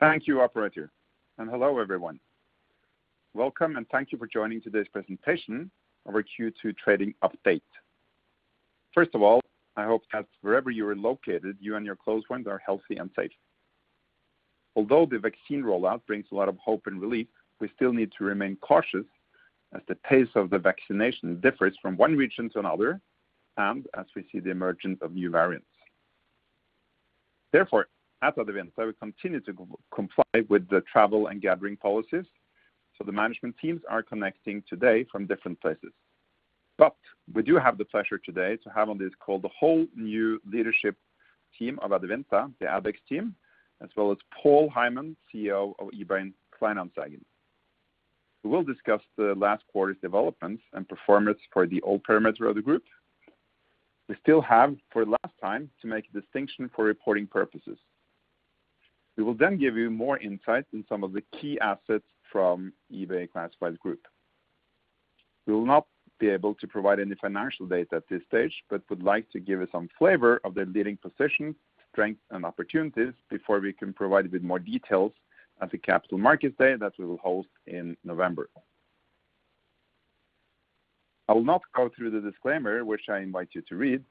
Thank you operator. Hello everyone. Welcome. Thank you for joining today's presentation of our Q2 trading update. First of all, I hope that wherever you are located, you and your close ones are healthy and safe. Although the vaccine rollout brings a lot of hope and relief, we still need to remain cautious as the pace of the vaccination differs from one region to another, and as we see the emergence of new variants. Therefore, at Adevinta, we continue to comply with the travel and gathering policies, so the management teams are connecting today from different places. We do have the pleasure today to have on this call the whole new leadership team of Adevinta, the exec team, as well as Paul Heimann, CEO of eBay Kleinanzeigen. We will discuss the last quarter's developments and performance for the old perimeter of the group. We still have for the last time to make a distinction for reporting purposes. We will then give you more insight in some of the key assets from eBay Classifieds Group. We will not be able to provide any financial data at this stage but would like to give you some flavor of their leading position, strength, and opportunities before we can provide a bit more details at the Capital Markets Day that we will host in November. I will not go through the disclaimer, which I invite you to read,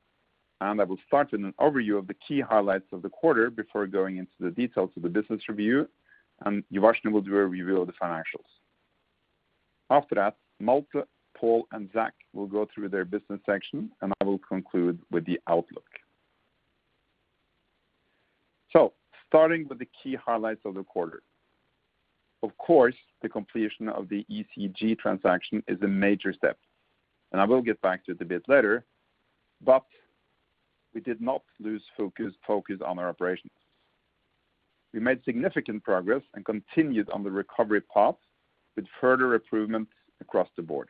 and I will start with an overview of the key highlights of the quarter before going into the details of the business review, and Uvashni will do a review of the financials. After that, Malte, Paul, and Zac will go through their business section, and I will conclude with the outlook. Starting with the key highlights of the quarter. Of course, the completion of the eCG transaction is a major step, and I will get back to it a bit later, but we did not lose focus on our operations. We made significant progress and continued on the recovery path with further improvements across the board.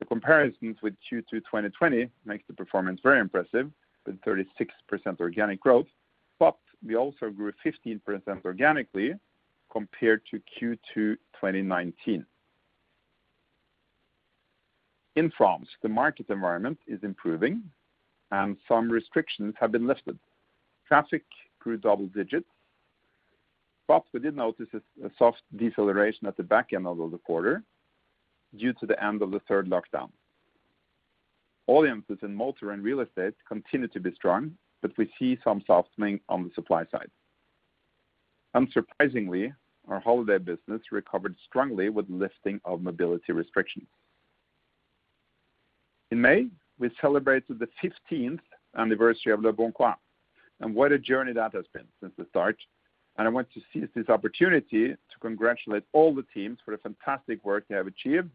The comparisons with Q2 2020 makes the performance very impressive, with 36% organic growth, but we also grew 15% organically compared to Q2 2019. In France, the market environment is improving and some restrictions have been lifted. Traffic grew double digits, but we did notice a soft deceleration at the back end of the quarter due to the end of the third lockdown. Volumes in motor and real estate continue to be strong, but we see some softening on the supply side. Unsurprisingly, our holiday business recovered strongly with lifting of mobility restrictions. In May, we celebrated the 15th anniversary of leboncoin, what a journey that has been since the start, I want to seize this opportunity to congratulate all the teams for the fantastic work they have achieved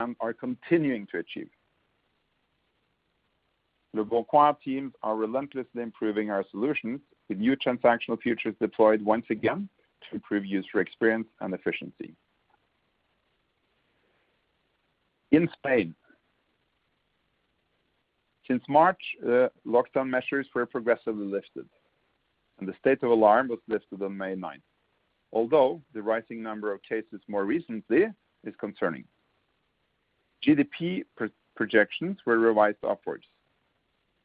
and are continuing to achieve. leboncoin teams are relentlessly improving our solutions, with new transactional features deployed once again to improve user experience and efficiency. In Spain, since March, lockdown measures were progressively lifted, and the state of alarm was lifted on May 9th. The rising number of cases more recently is concerning. GDP projections were revised upwards.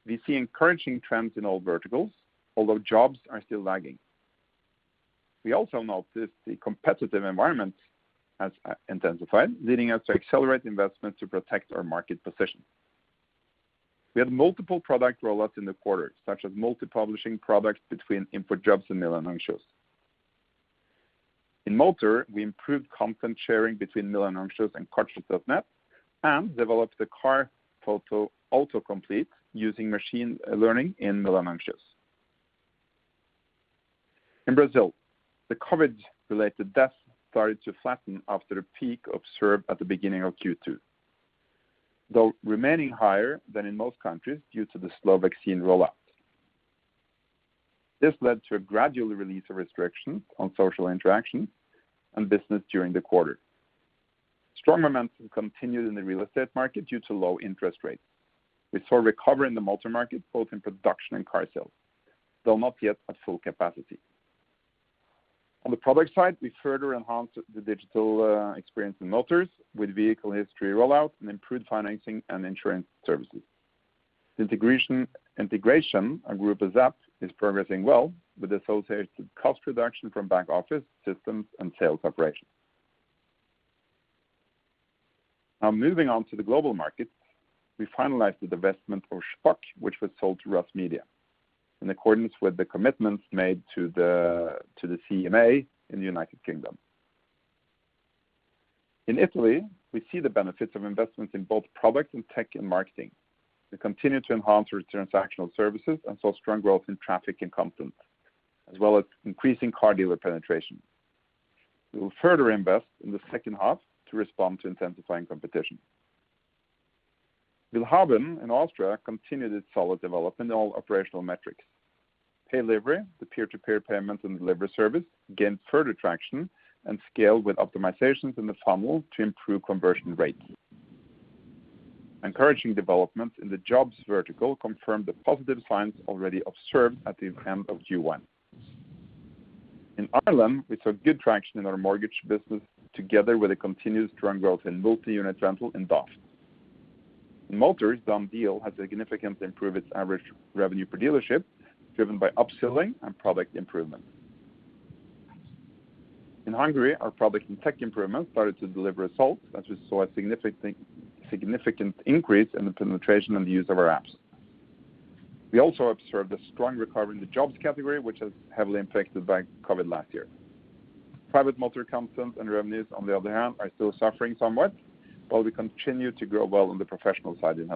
We see encouraging trends in all verticals, although jobs are still lagging. We also noticed the competitive environment has intensified, leading us to accelerate investments to protect our market position. We had multiple product rollouts in the quarter, such as multi-publishing products between InfoJobs and Milanuncios. In motor, we improved content sharing between Milanuncios and Coches.net and developed the car photo autocomplete using machine learning in Milanuncios. In Brazil, the COVID-related deaths started to flatten after a peak observed at the beginning of Q2, though remaining higher than in most countries due to the slow vaccine rollout. This led to a gradual release of restrictions on social interaction and business during the quarter. Strong momentum continued in the real estate market due to low interest rates. We saw a recovery in the motor market, both in production and car sales, though not yet at full capacity. On the product side, we further enhanced the digital experience in motors with vehicle history rollout and improved financing and insurance services. Integration of Grupo ZAP is progressing well with associated cost reduction from back-office systems and sales operations. Moving on to the global markets, we finalized the divestment of Shpock, which was sold to Russmedia in accordance with the commitments made to the CMA in the United Kingdom. In Italy, we see the benefits of investments in both product and tech and marketing. We continue to enhance our transactional services and saw strong growth in traffic and content, as well as increasing car dealer penetration. We will further invest in the second half to respond to intensifying competition. willhaben in Austria continued its solid development in all operational metrics. Paylivery, the peer-to-peer payment and delivery service gained further traction and scale with optimizations in the funnel to improve conversion rates. Encouraging developments in the jobs vertical confirmed the positive signs already observed at the end of Q1. In Ireland, we saw good traction in our mortgage business together with a continuous strong growth in multi-unit rental and Daft. DoneDeal had significantly improved its average revenue per dealership, driven by upselling and product improvement. In Hungary, our product and tech improvements started to deliver results as we saw a significant increase in the penetration and use of our apps. We also observed a strong recovery in the jobs category, which was heavily impacted by COVID-19 last year. Private motor consultants and revenues, on the other hand, are still suffering somewhat while we continue to grow well on the professional side in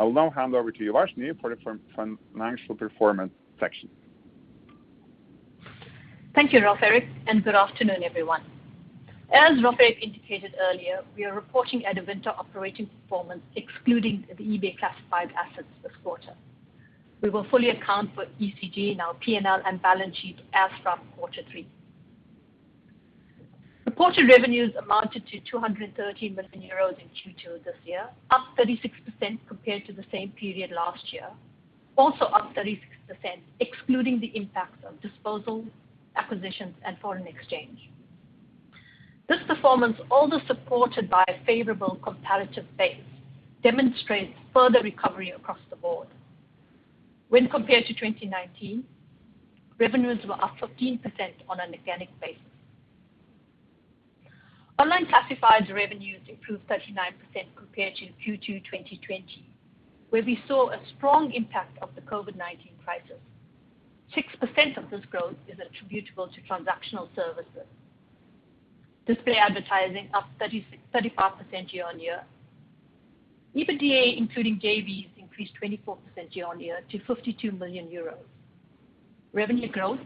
Használtautó. I'll now hand over to Uvashni, who will report from financial performance section. Thank you, Rolv Erik, and good afternoon, everyone. As Rolv Erik indicated earlier, we are reporting Adevinta operating performance excluding the eBay Classifieds assets this quarter. We will fully account for eCG in our P&L and balance sheet as from Q3. The quarter revenues amounted to 230 million euros in Q2 this year, up 36% compared to the same period last year. Up 36%, excluding the impacts of disposals, acquisitions, and foreign exchange. This performance, although supported by a favorable comparative base, demonstrates further recovery across the board. When compared to 2019, revenues were up 15% on an organic basis. Online Classifieds revenues improved 39% compared to Q2 2020, where we saw a strong impact of the COVID-19 crisis. 6% of this growth is attributable to transactional services. Display advertising up 35% year-on-year. EBITDA, including JVs, increased 24% year-on-year to 52 million euros. Revenue growth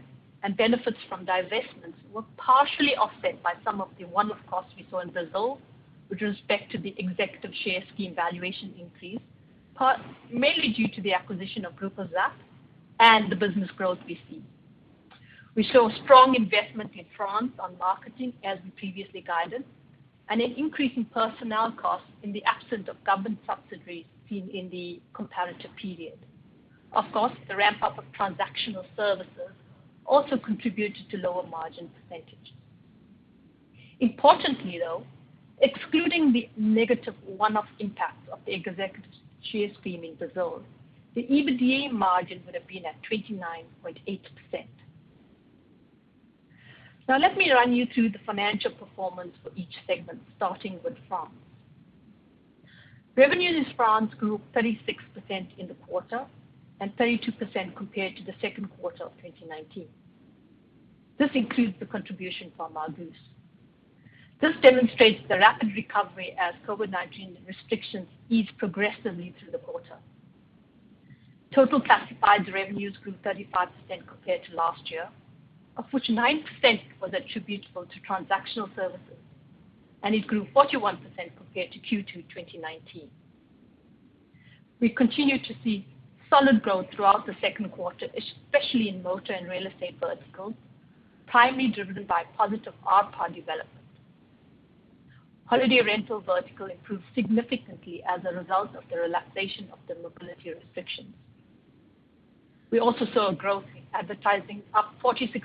and benefits from divestments were partially offset by some of the one-off costs we saw in Brazil with respect to the executive share scheme valuation increase, mainly due to the acquisition of Grupo ZAP and the business growth we've seen. We saw strong investment in France on marketing as we previously guided, and an increase in personnel costs in the absence of government subsidies seen in the comparative period. Of course, the ramp-up of transactional services also contributed to lower margin percentages. Importantly, though, excluding the negative one-off impact of the executive share scheme in Brazil, the EBITDA margin would have been at 29.8%. Let me run you through the financial performance for each segment, starting with France. Revenues in France grew 36% in the quarter and 32% compared to the second quarter of 2019. This includes the contribution from A Vendre A Louer. This demonstrates the rapid recovery as COVID-19 restrictions eased progressively through the quarter. Total Classified revenues grew 35% compared to last year, of which 9% was attributable to transactional services, and it grew 41% compared to Q2 2019. We continued to see solid growth throughout the second quarter, especially in motor and real estate verticals, primarily driven by positive ARPD developments. Holiday rental vertical improved significantly as a result of the relaxation of the mobility restrictions. We also saw growth in advertising, up 46%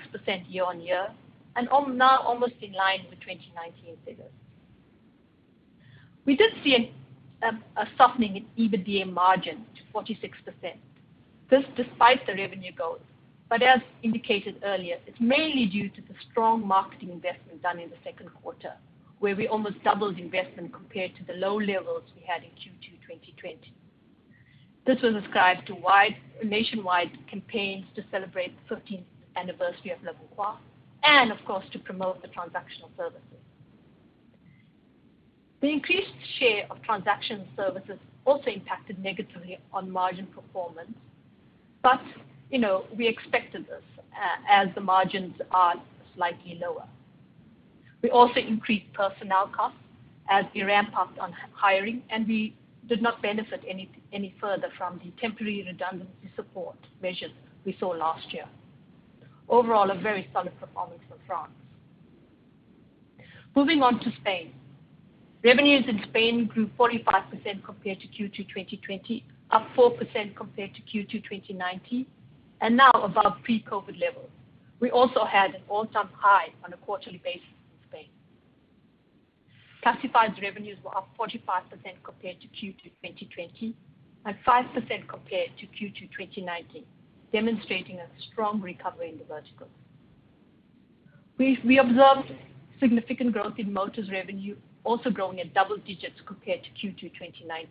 year-on-year, and now almost in line with the 2019 figures. We did see a softening in EBITDA margin to 46%. This despite the revenue growth, as indicated earlier, it's mainly due to the strong marketing investment done in the second quarter, where we almost doubled the investment compared to the low levels we had in Q2 2020. This was ascribed to nationwide campaigns to celebrate the 15th anniversary of leboncoin and, of course, to promote the transactional services. The increased share of transactional services also impacted negatively on margin performance, but we expected this as the margins are slightly lower. We also increased personnel costs as we ramped up on hiring, and we did not benefit any further from the temporary redundancy support measures we saw last year. Overall, a very solid performance for France. Moving on to Spain. Revenues in Spain grew 45% compared to Q2 2020, up 4% compared to Q2 2019, and now above pre-COVID levels. We also had an all-time high on a quarterly basis in Spain. Classified revenues were up 45% compared to Q2 2020 and 5% compared to Q2 2019, demonstrating a strong recovery in the vertical. We observed significant growth in motors revenue, also growing in double digits compared to Q2 2019.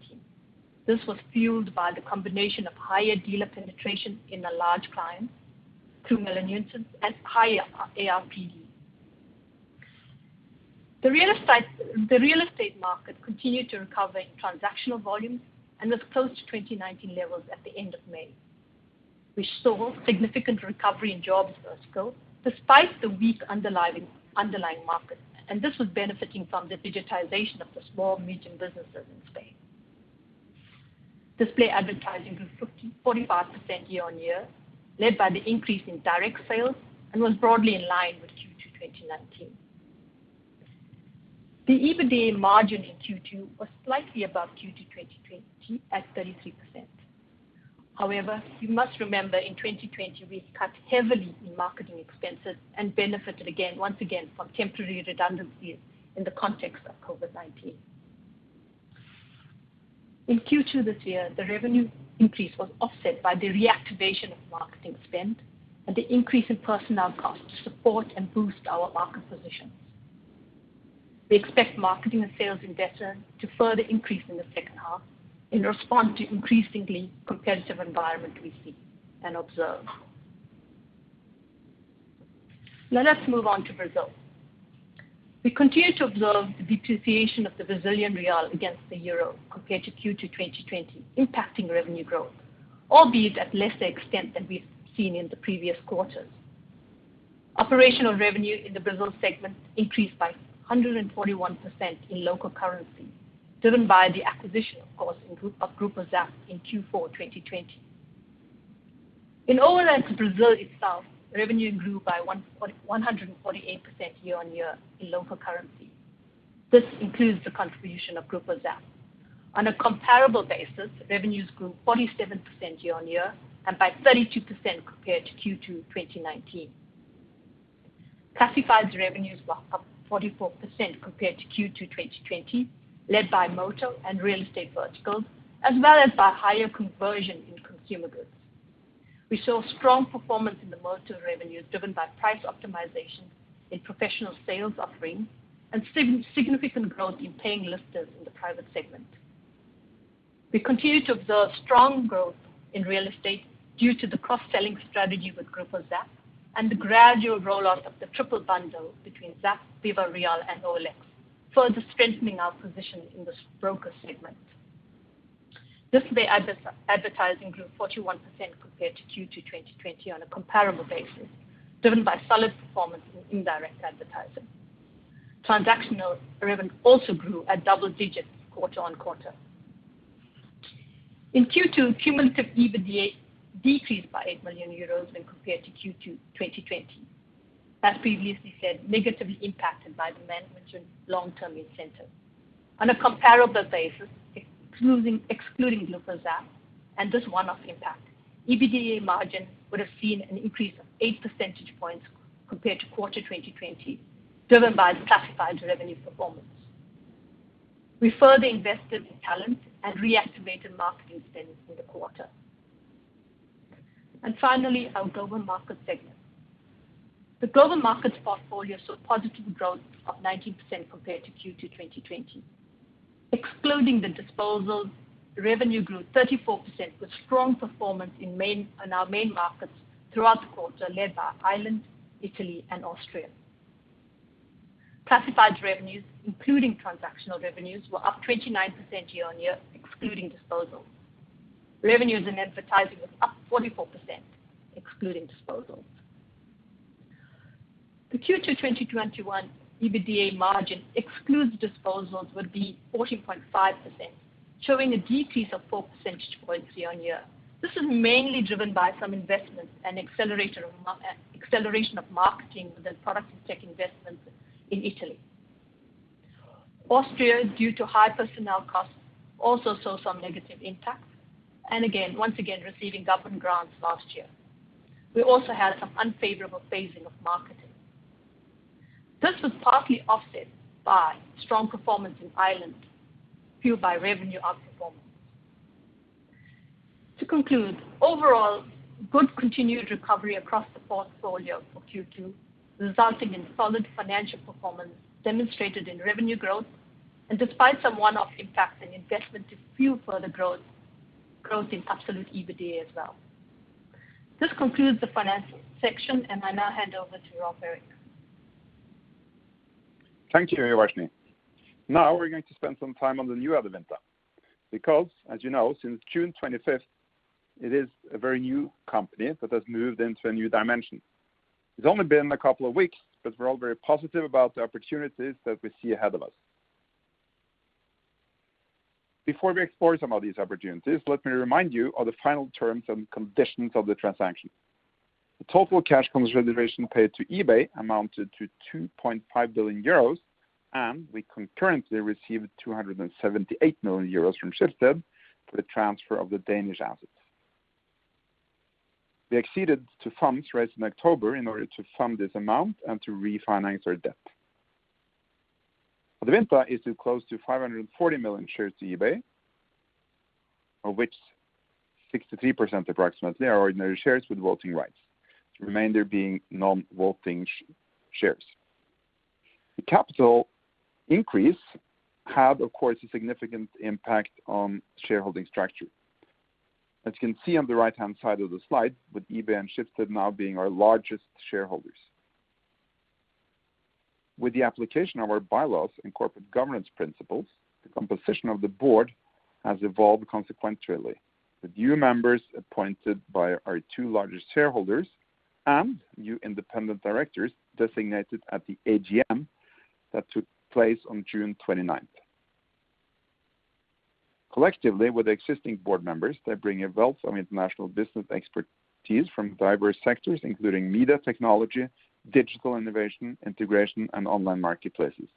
This was fueled by the combination of higher dealer penetration in a large Milanuncios, 2 million listings, and higher ARPD. The real estate market continued to recover in transactional volumes and is close to 2019 levels at the end of May. We saw significant recovery in jobs vertical despite the weak underlying market, and this was benefiting from the digitization of the small and medium businesses in Spain. Display advertising grew 45% year-on-year, led by the increase in direct sales, and was broadly in line with Q2 2019. The EBITDA margin in Q2 was slightly above Q2 2020 at 33%. You must remember, in 2020, we cut heavily in marketing expenses and benefited again, once again, from temporary redundancies in the context of COVID-19. In Q2 this year, the revenue increase was offset by the reactivation of marketing spend and the increase in personnel costs to support and boost our market positions. We expect marketing and sales investment to further increase in the second half in response to increasingly competitive environment we see and observe. Now let's move on to Brazil. We continue to observe the depreciation of the Brazilian real against the euro compared to Q2 2020 impacting revenue growth, albeit at lesser extent than we've seen in the previous quarters. Operational revenue in the Brazil segment increased by 141% in local currency, driven by the acquisition, of course, of Grupo ZAP in Q4 2020. In OLX Brazil itself, revenue grew by 148% year-on-year in local currency. This includes the contribution of Grupo ZAP. On a comparable basis, revenues grew 47% year-on-year and by 32% compared to Q2 2019. Classified revenues were up 44% compared to Q2 2020, led by motor and real estate verticals, as well as by higher conversion in consumer goods. We saw strong performance in the motor revenues driven by price optimization in professional sales offering and significant growth in paying listers in the private segment. We continue to observe strong growth in real estate due to the cross-selling strategy with Grupo ZAP and the gradual rollout of the triple bundle between ZAP, Viva Real, and OLX, further strengthening our position in this broker segment. Display advertising grew 41% compared to Q2 2020 on a comparable basis, driven by solid performance in indirect advertising. Transactional revenue also grew at double digits quarter-on-quarter. In Q2, cumulative EBITDA decreased by 8 million euros when compared to Q2 2020, as previously said, negatively impacted by management and long-term incentives. On a comparable basis, excluding Grupo ZAP and this one-off impact, EBITDA margin would have seen an increase of eight percentage points compared to quarter 2020, driven by classified revenue performance. We further invested in talent and reactivated marketing spend in the quarter. Finally, our Global Markets segment. The Global Markets portfolio saw positive growth of 19% compared to Q2 2020. Excluding the disposals, revenue grew 34% with strong performance in our main markets throughout the quarter led by Ireland, Italy, and Austria. Classified revenues, including transactional revenues, were up 29% year-on-year excluding disposals. Revenues in advertising was up 44%, excluding disposals. The Q2 2021 EBITDA margin excludes disposals would be 40.5%, showing a decrease of four percentage points year-on-year. This is mainly driven by some investments and acceleration of marketing with the product and tech investments in Italy. Austria, due to high personnel costs, also saw some negative impact, and again, eating up on margins last year. We also had some unfavorable phasing of marketing. This was partly offset by strong performance in Ireland, fueled by revenue outperformance. To conclude, overall, good continued recovery across the portfolio for Q2, resulting in solid financial performance demonstrated in revenue growth, and despite some one-off impact and investment to fuel further growth in absolute EBITDA as well. This concludes the financial section, and I now hand over to Rolv Erik. Thank you, Uvashni. Now we're going to spend some time on the new Adevinta because, as you know, since June 25th, it is a very new company that has moved into a new dimension. It's only been a couple of weeks, but we're all very positive about the opportunities that we see ahead of us. Before we explore some of these opportunities, let me remind you of the final terms and conditions of the transaction. The total cash consideration paid to eBay amounted to 2.5 billion euros, and we concurrently received 278 million euros from Schibsted for the transfer of the Danish assets. We accessed funds raised in October in order to fund this amount and to refinance our debt. Adevinta issued close to 540 million shares to eBay, of which 63% approximately are ordinary shares with voting rights, the remainder being non-voting shares. The capital increase had, of course, a significant impact on shareholding structure. As you can see on the right-hand side of the slide, with eBay and Schibsted now being our largest shareholders. With the application of our bylaws and corporate governance principles, the composition of the board has evolved consequentially, with new members appointed by our two largest shareholders and new independent directors designated at the AGM that took place on June 29th. Collectively, with existing board members, they bring a wealth of international business expertise from diverse sectors including media, technology, digital innovation, integration, and online marketplaces.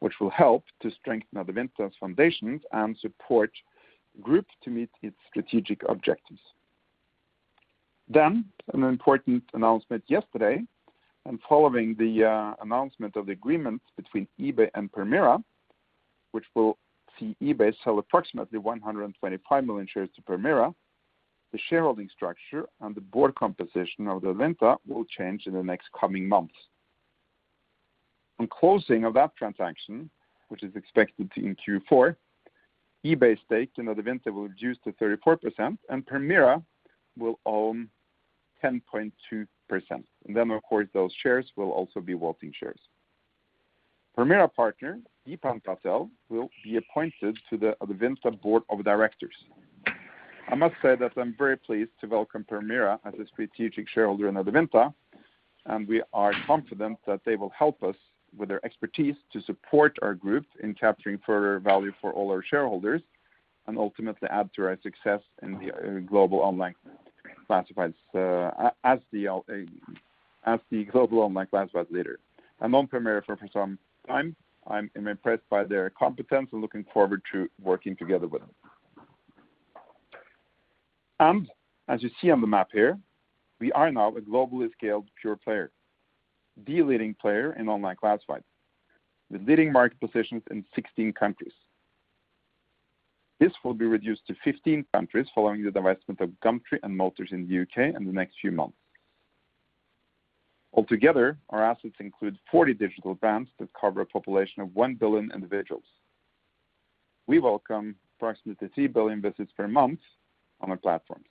Which will help to strengthen Adevinta's foundations and support groups to meet its strategic objectives. An important announcement yesterday, and following the announcement of the agreement between eBay and Permira, which will see eBay sell approximately 125 million shares to Permira. The shareholding structure and the board composition of Adevinta will change in the next coming months. On closing of that transaction, which is expected in Q4, eBay stake in Adevinta will reduce to 34%, and Permira will own 10.2%. Then, of course, those shares will also be voting shares. Permira Partner, Dipan Patel, will be appointed to the Adevinta board of directors. I must say that I'm very pleased to welcome Permira as a strategic shareholder in Adevinta, and we are confident that they will help us with their expertise to support our group in capturing further value for all our shareholders and ultimately add to our success as the global online classifieds leader. I've known Permira for some time. I'm impressed by their competence. I'm looking forward to working together with them. As you see on the map here, we are now a globally scaled pure player, the leading player in online classifieds, with leading market positions in 16 countries. This will be reduced to 15 countries following the divestment of Gumtree and motors.co.uk in the U.K. in the next few months. Altogether, our assets include 40 digital brands that cover a population of 1 billion individuals. We welcome approximately 2 billion visits per month on our platforms.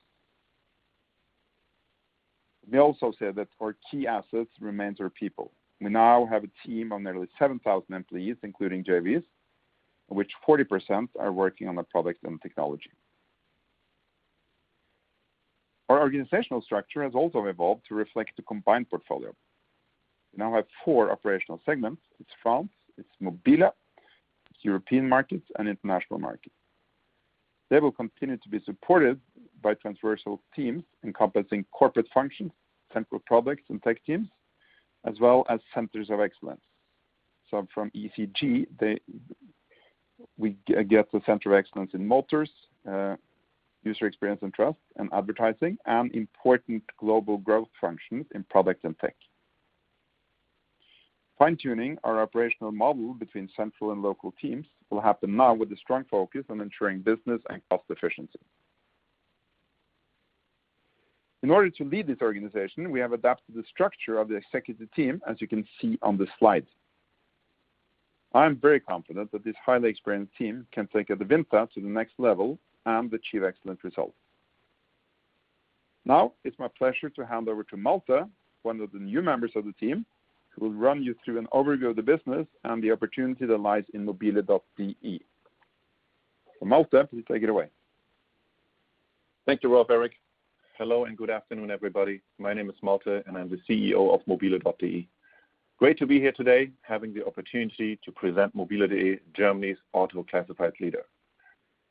We also say that our key assets remains our people. We now have a team of nearly 7,000 employees, including JVs, in which 40% are working on the product and technology. Our organizational structure has also evolved to reflect the combined portfolio. We now have four operational segments. It's France, it's Mobile, it's European markets, and international markets. They will continue to be supported by transversal teams encompassing corporate functions, central product and tech teams, as well as centers of excellence. From eCG, we get the center of excellence in motors, user experience and trust, and advertising, and important global growth functions in product and tech. Fine-tuning our operational model between central and local teams will happen now with a strong focus on ensuring business and cost efficiency. In order to lead this organization, we have adapted the structure of the executive team, as you can see on the slide. I am very confident that this highly experienced team can take Adevinta to the next level and achieve excellent results. It is my pleasure to hand over to Malte, one of the new members of the team, who will run you through an overview of the business and the opportunity that lies in mobile.de. Malte, please take it away. Thank you, Rolv Erik. Hello and good afternoon, everybody. My name is Malte, and I'm the CEO of mobile.de. Great to be here today having the opportunity to present mobile.de, Germany's auto classifieds leader.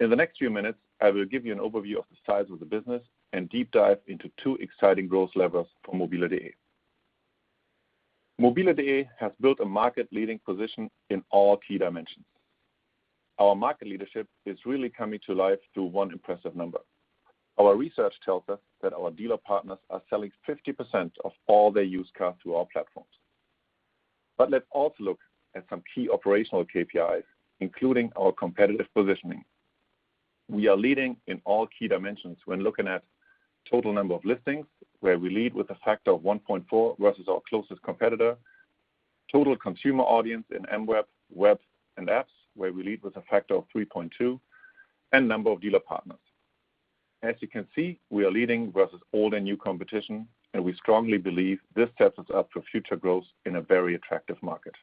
In the next few minutes, I will give you an overview of the size of the business and deep dive into two exciting growth levers for mobile.de. mobile.de has built a market-leading position in all key dimensions. Our market leadership is really coming to life through one impressive number. Our research tells us that our dealer partners are selling 50% of all their used cars to our platforms. Let's also look at some key operational KPIs, including our competitive positioning. We are leading in all key dimensions when looking at total number of listings, where we lead with a factor of 1.4 versus our closest competitor, total consumer audience in mWeb, web, and apps, where we lead with a factor of 3.2, and number of dealer partners. We strongly believe this sets us up for future growth in a very attractive market.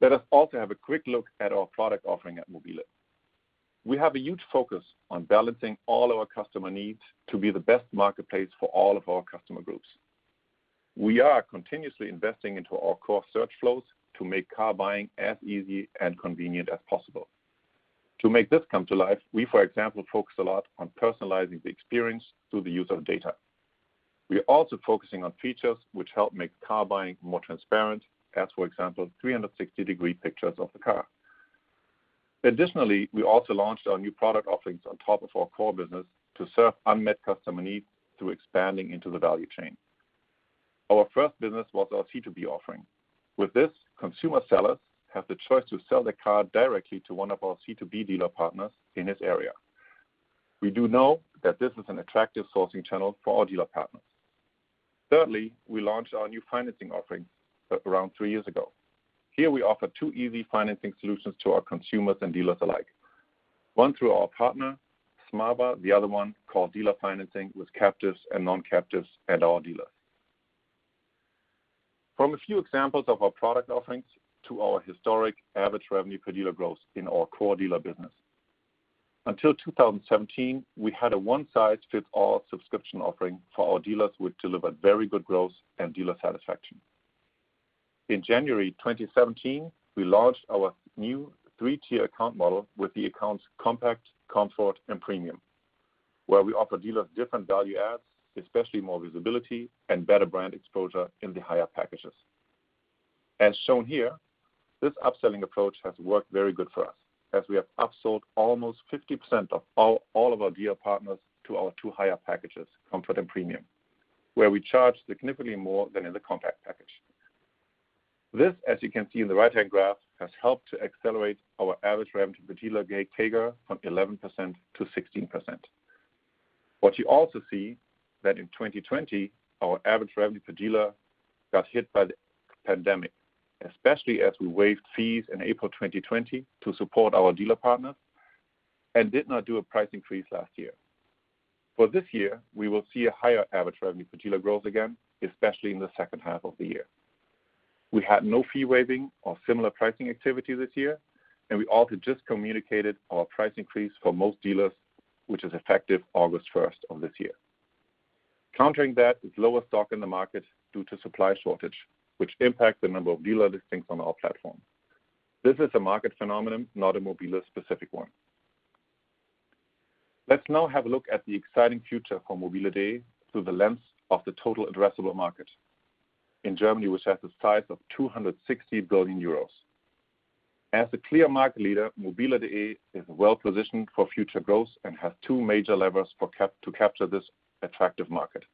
Let us also have a quick look at our product offering at mobile. We have a huge focus on balancing all our customer needs to be the best marketplace for all of our customer groups. We are continuously investing into our core search flows to make car buying as easy and convenient as possible. To make this come to life, we, for example, focus a lot on personalizing the experience through the use of data. We are also focusing on features which help make car buying more transparent as, for example, 360-degree pictures of the car. Additionally, we also launched our new product offerings on top of our core business to serve unmet customer needs through expanding into the value chain. Our first business was our C2B offering. With this, consumer sellers have the choice to sell their car directly to one of our C2B dealer partners in his area. We do know that this is an attractive sourcing channel for our dealer partners. Thirdly, we launched our new financing offering around three years ago. Here, we offer two easy financing solutions to our consumers and dealers alike. One through our partner, smava, the other one called dealer financing with captives and non-captives and our dealers. From a few examples of our product offerings to our historic average revenue per dealer growth in our core dealer business. Until 2017, we had a one-size-fits-all subscription offering for our dealers, which delivered very good growth and dealer satisfaction. In January 2017, we launched our new three-tier account model with the accounts Compact, Comfort, and Premium, where we offer dealers different value adds, especially more visibility and better brand exposure in the higher packages. As shown here, this upselling approach has worked very good for us, as we have upsold almost 50% of all of our dealer partners to our two higher packages, Comfort and Premium, where we charge significantly more than in the Compact package. This, as you can see in the right-hand graph, has helped to accelerate our average revenue per dealer CAGR from 11% to 16%. You also see that in 2020, our average revenue per dealer got hit by the pandemic, especially as we waived fees in April 2020 to support our dealer partners and did not do a price increase last year. For this year, we will see a higher average revenue per dealer growth again, especially in the second half of the year. We had no fee waiving or similar pricing activity this year, and we also just communicated our price increase for most dealers, which is effective August 1st of this year. Countering that is lower stock in the market due to supply shortage, which impact the number of dealer listings on our platform. This is a market phenomenon, not a mobile.de specific one. Let's now have a look at the exciting future for mobile.de through the lens of the total addressable market in Germany, which has a size of 260 billion euros. As the clear market leader, mobile.de is well-positioned for future growth and has two major levers to capture this attractive market.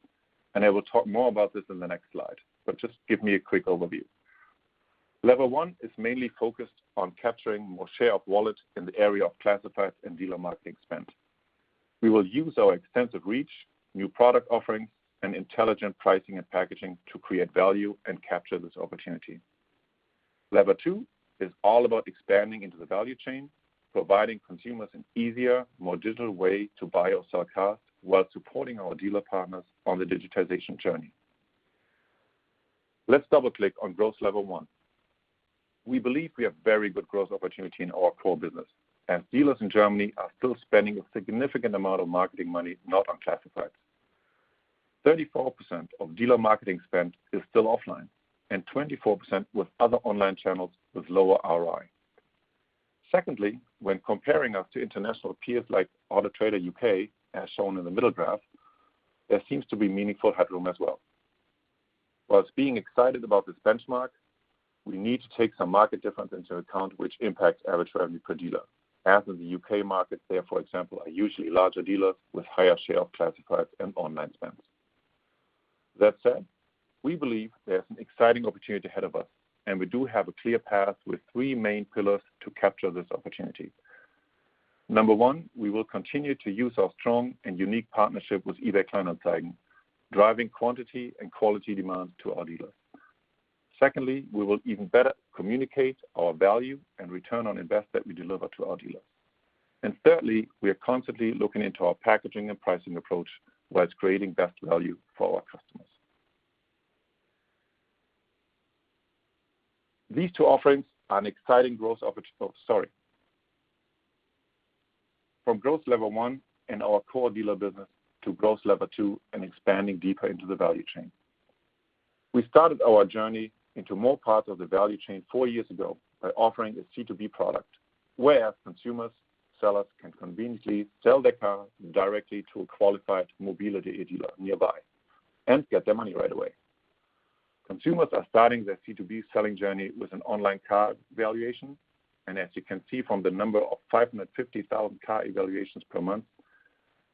I will talk more about this in the next slide, but just give me a quick overview. Lever one is mainly focused on capturing more share of wallet in the area of classifieds and dealer marketing spend. We will use our extensive reach, new product offerings, and intelligent pricing and packaging to create value and capture this opportunity. Lever two is all about expanding into the value chain, providing consumers an easier, more digital way to buy or sell cars while supporting our dealer partners on the digitization journey. Let's double-click on growth lever one. We believe we have very good growth opportunity in our core business, as dealers in Germany are still spending a significant amount of marketing money, not on classifieds. 34% of dealer marketing spend is still offline and 24% with other online channels with lower ROI. Secondly, when comparing us to international peers like Auto Trader U.K., as shown in the middle graph, there seems to be meaningful headroom as well. Being excited about this benchmark, we need to take some market differences into account which impact average revenue per dealer, as in the U.K. market there, for example, are usually larger dealers with higher share of classifieds and online spend. That said, we believe there's an exciting opportunity ahead of us, and we do have a clear path with three main pillars to capture this opportunity. Number one, we will continue to use our strong and unique partnership with eBay Kleinanzeigen, driving quantity and quality demand to our dealers. Secondly, we will even better communicate our value and ROI we deliver to our dealers. Thirdly, we are constantly looking into our packaging and pricing approach whilst creating best value for our customers. These two offerings are an exciting growth opportunity. Sorry. From growth lever one in our core dealer business to growth lever two and expanding deeper into the value chain. We started our journey into more parts of the value chain four years ago by offering a C2B product where consumers, sellers can conveniently sell their car directly to a qualified mobile.de dealer nearby and get their money right away. Consumers are starting their C2B selling journey with an online car valuation, and as you can see from the number of 550,000 car evaluations per month,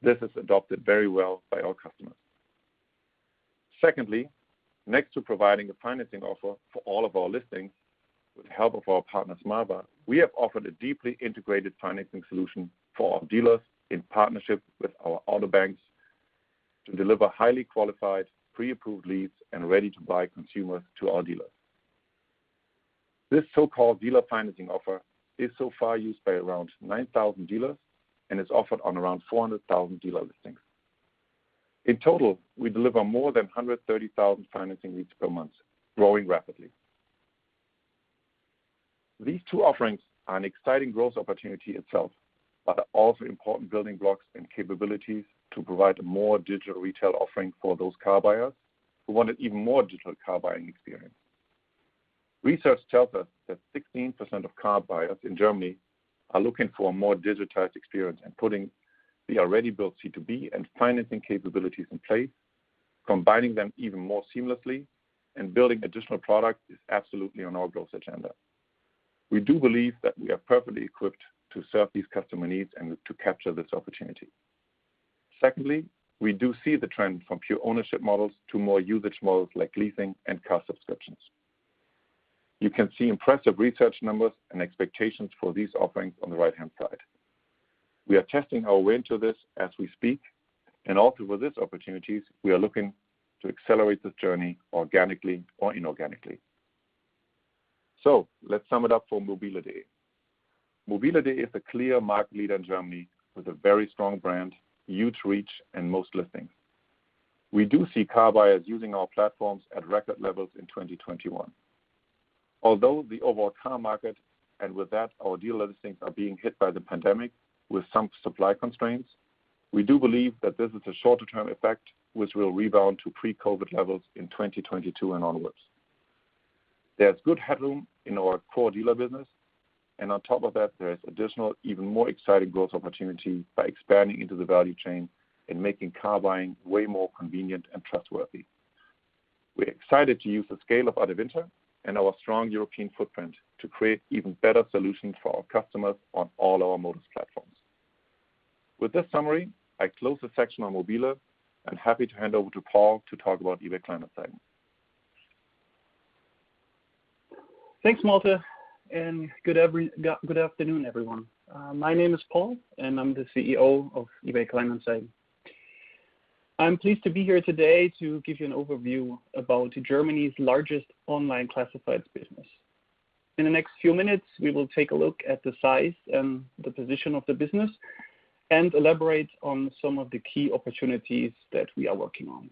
this is adopted very well by our customers. Secondly, next to providing a financing offer for all of our listings, with the help of our partner, smava, we have offered a deeply integrated financing solution for our dealers in partnership with our auto banks to deliver highly qualified, pre-approved leads and ready-to-buy consumers to our dealers. This so-called dealer financing offer is so far used by around 9,000 dealers and is offered on around 400,000 dealer listings. In total, we deliver more than 130,000 financing leads per month, growing rapidly. These two offerings are an exciting growth opportunity itself, but are also important building blocks and capabilities to provide a more digital retail offering for those car buyers who want an even more digital car buying experience. Research tells us that 16% of car buyers in Germany are looking for a more digitized experience and putting the already built C2B and financing capabilities in place, combining them even more seamlessly and building additional product is absolutely on our growth agenda. We do believe that we are perfectly equipped to serve these customer needs and to capture this opportunity. Secondly, we do see the trend from pure ownership models to more usage models like leasing and car subscriptions. You can see impressive research numbers and expectations for these offerings on the right-hand side. We are testing our way into this as we speak, and also with these opportunities, we are looking to accelerate the journey organically or inorganically. Let's sum it up for mobile.de. mobile.de is a clear market leader in Germany with a very strong brand, huge reach, and most listings. We do see car buyers using our platforms at record levels in 2021. Although the overall car market and with that, our dealer listings are being hit by the pandemic with some supply constraints, we do believe that this is a shorter-term effect which will rebound to pre-COVID levels in 2022 and onwards. There's good headroom in our core dealer business, and on top of that, there is additional, even more exciting growth opportunity by expanding into the value chain and making car buying way more convenient and trustworthy. We're excited to use the scale of Adevinta and our strong European footprint to create even better solutions for our customers on all our motors platforms. With this summary, I close the section on mobile.de, happy to hand over to Paul to talk about eBay Kleinanzeigen. Thanks, Malte. Good afternoon, everyone. My name is Paul, and I'm the CEO of eBay Kleinanzeigen. I'm pleased to be here today to give you an overview about Germany's largest online classifieds business. In the next few minutes, we will take a look at the size and the position of the business and elaborate on some of the key opportunities that we are working on.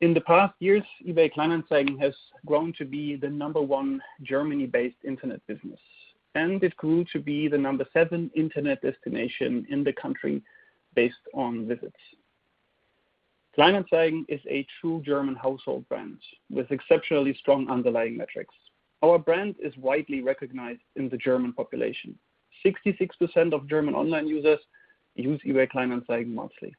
In the past years, eBay Kleinanzeigen has grown to be the number one Germany-based internet business, and it grew to be the number seven internet destination in the country based on visits. Kleinanzeigen is a true German household brand with exceptionally strong underlying metrics. Our brand is widely recognized in the German population. 66% of German online users use eBay Kleinanzeigen monthly.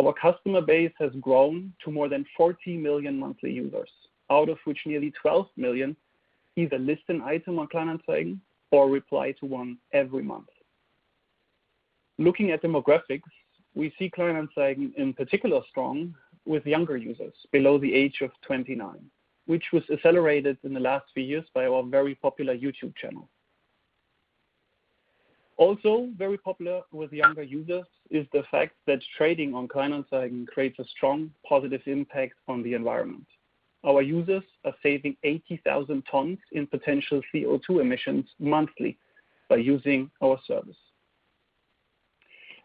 Our customer base has grown to more than 40 million monthly users, out of which nearly 12 million either list an item on Kleinanzeigen or reply to one every month. Looking at demographics, we see Kleinanzeigen in particular strong with younger users below the age of 29, which was accelerated in the last few years by our very popular YouTube channel. Very popular with younger users is the fact that trading on Kleinanzeigen creates a strong, positive impact on the environment. Our users are saving 80,000 tons in potential CO2 emissions monthly by using our service.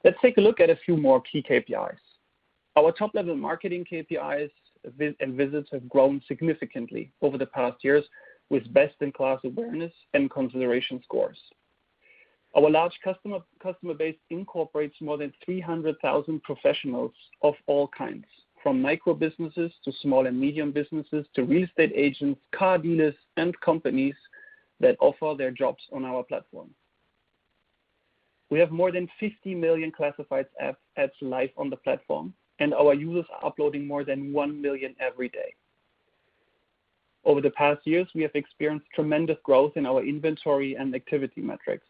Let's take a look at a few more key KPIs. Our top-level marketing KPIs and visits have grown significantly over the past years with best-in-class awareness and consideration scores. Our large customer base incorporates more than 300,000 professionals of all kinds, from micro businesses to small and medium businesses, to real estate agents, car dealers, and companies that offer their jobs on our platform. We have more than 50 million classified ads live on the platform, and our users are uploading more than 1 million every day. Over the past years, we have experienced tremendous growth in our inventory and activity metrics.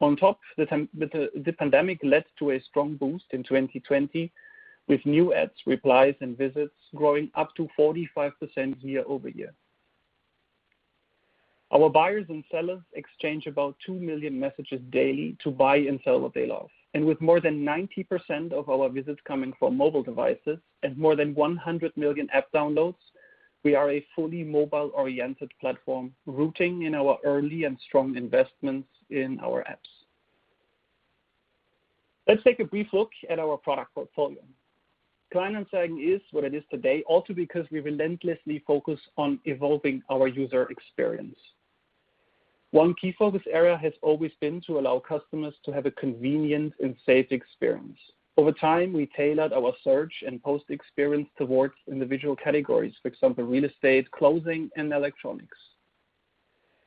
On top, the pandemic led to a strong boost in 2020, with new ads, replies, and visits growing up to 45% year-over-year. Our buyers and sellers exchange about 2 million messages daily to buy and sell what they love. With more than 90% of our visits coming from mobile devices and more than 100 million app downloads, we are a fully mobile-oriented platform, rooting in our early and strong investments in our apps. Let's take a brief look at our product portfolio. Kleinanzeigen is what it is today also because we relentlessly focus on evolving our user experience. One key focus area has always been to allow customers to have a convenient and safe experience. Over time, we tailored our search and post experience towards individual categories, for example, real estate, clothing, and electronics.